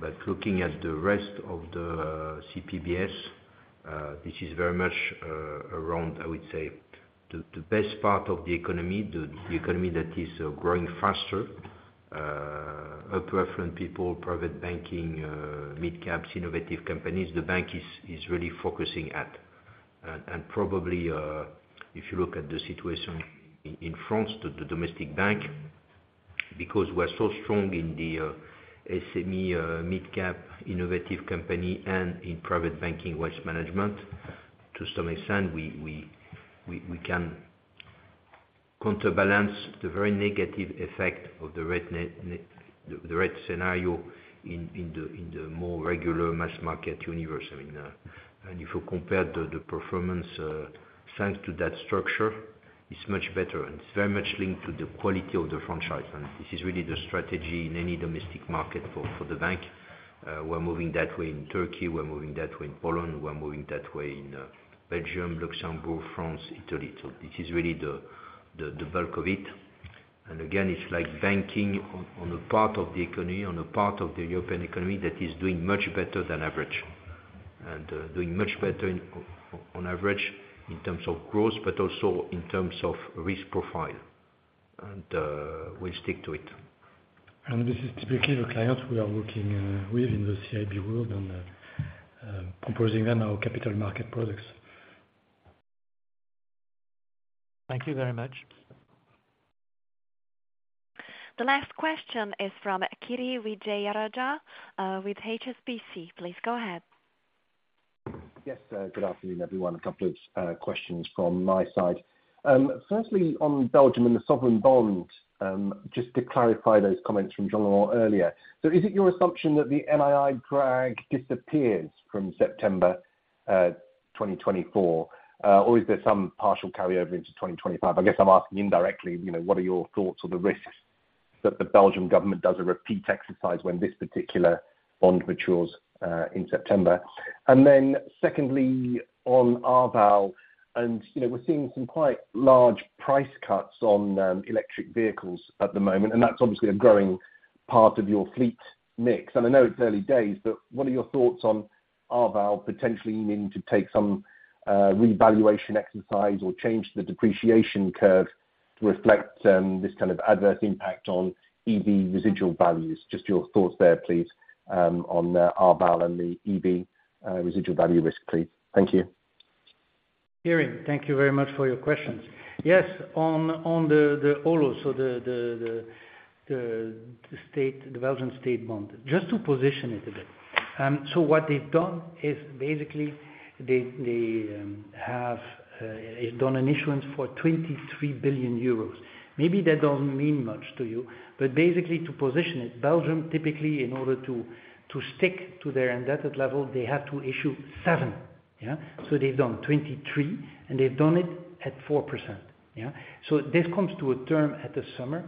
Speaker 2: But looking at the rest of the CPBS, this is very much around, I would say, the best part of the economy, the economy that is growing faster. Upper affluent people, private banking, mid-caps, innovative companies, the bank is really focusing at. Probably, if you look at the situation in France, the domestic bank, because we're so strong in the SME, mid-cap, innovative company, and in private banking, wealth management, to some extent, we can counterbalance the very negative effect of the rate scenario in the more regular mass market universe. I mean, if you compare the performance, thanks to that structure, it's much better, and it's very much linked to the quality of the franchise. This is really the strategy in any domestic market for the bank. We're moving that way in Turkey, we're moving that way in Poland, we're moving that way in Belgium, Luxembourg, France, Italy. So this is really the bulk of it. And again, it's like banking on, on the part of the economy, on the part of the European economy, that is doing much better than average. And, doing much better in, on, on average, in terms of growth, but also in terms of risk profile, and, we'll stick to it.
Speaker 8: This is typically the clients we are working with in the CIB world, on the composing them our capital market products.
Speaker 1: Thank you very much. The last question is from Kiran Vijayarajah, with HSBC. Please go ahead.
Speaker 15: Yes, good afternoon, everyone. A couple of questions from my side. Firstly, on Belgium and the sovereign bond, just to clarify those comments from Jean-Laurent earlier. So is it your assumption that the NII drag disappears from September 2024, or is there some partial carry-over into 2025? I guess I'm asking indirectly, you know, what are your thoughts on the risks that the Belgian government does a repeat exercise when this particular bond matures, in September? And then secondly, on Arval, and, you know, we're seeing some quite large price cuts on, electric vehicles at the moment, and that's obviously a growing part of your fleet mix. I know it's early days, but what are your thoughts on Arval potentially needing to take some revaluation exercise or change the depreciation curve to reflect this kind of adverse impact on EV residual values? Just your thoughts there, please, on Arval and the EV residual value risk, please. Thank you.
Speaker 3: Kiri, thank you very much for your questions. Yes, on the OLO, so the Belgian state bond. Just to position it a bit, so what they've done is basically they have done an issuance for 23 billion euros. Maybe that doesn't mean much to you, but basically to position it, Belgium, typically, in order to stick to their indebted level, they have to issue 7, yeah? So they've done 23, and they've done it at 4%, yeah? So this comes to a term at the summer.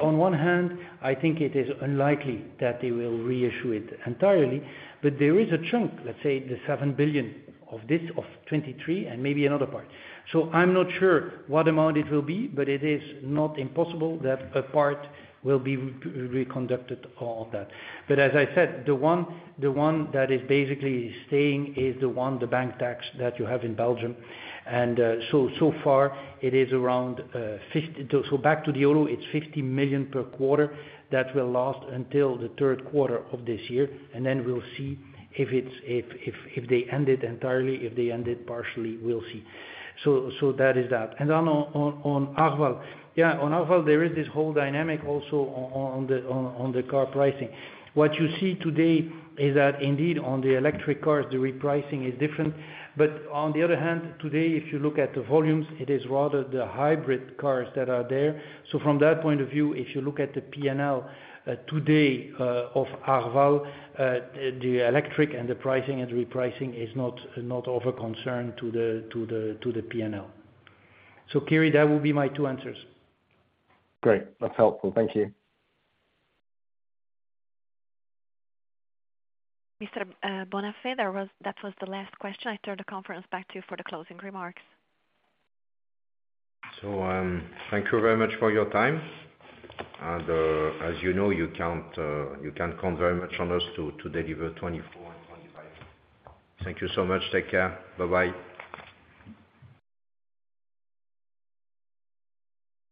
Speaker 3: On one hand, I think it is unlikely that they will reissue it entirely, but there is a chunk, let's say, the 7 billion of this, of 23, and maybe another part. So I'm not sure what amount it will be, but it is not impossible that a part will be reconducted on that. But as I said, the one that is basically staying is the bank tax that you have in Belgium. And so far, it is around, so back to the OLO, it's 50 million euro per quarter that will last until the third quarter of this year, and then we'll see if they end it entirely, if they end it partially, we'll see. So that is that. And then on Arval. Yeah, on Arval, there is this whole dynamic also on the car pricing. What you see today is that indeed, on the electric cars, the repricing is different. But on the other hand, today, if you look at the volumes, it is rather the hybrid cars that are there. So from that point of view, if you look at the PNL, today, of Arval, the electric and the pricing and repricing is not of a concern to the PNL. So Kiri, that will be my two answers.
Speaker 15: Great. That's helpful. Thank you.
Speaker 1: Mr. Bonnafé, there was... That was the last question. I turn the conference back to you for the closing remarks.
Speaker 2: Thank you very much for your time, and, as you know, you can count very much on us to deliver 2024 and 2025. Thank you so much. Take care. Bye-bye.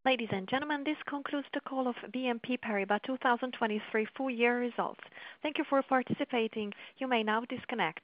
Speaker 1: Ladies and gentlemen, this concludes the call of BNP Paribas 2023 full year results. Thank you for participating. You may now disconnect.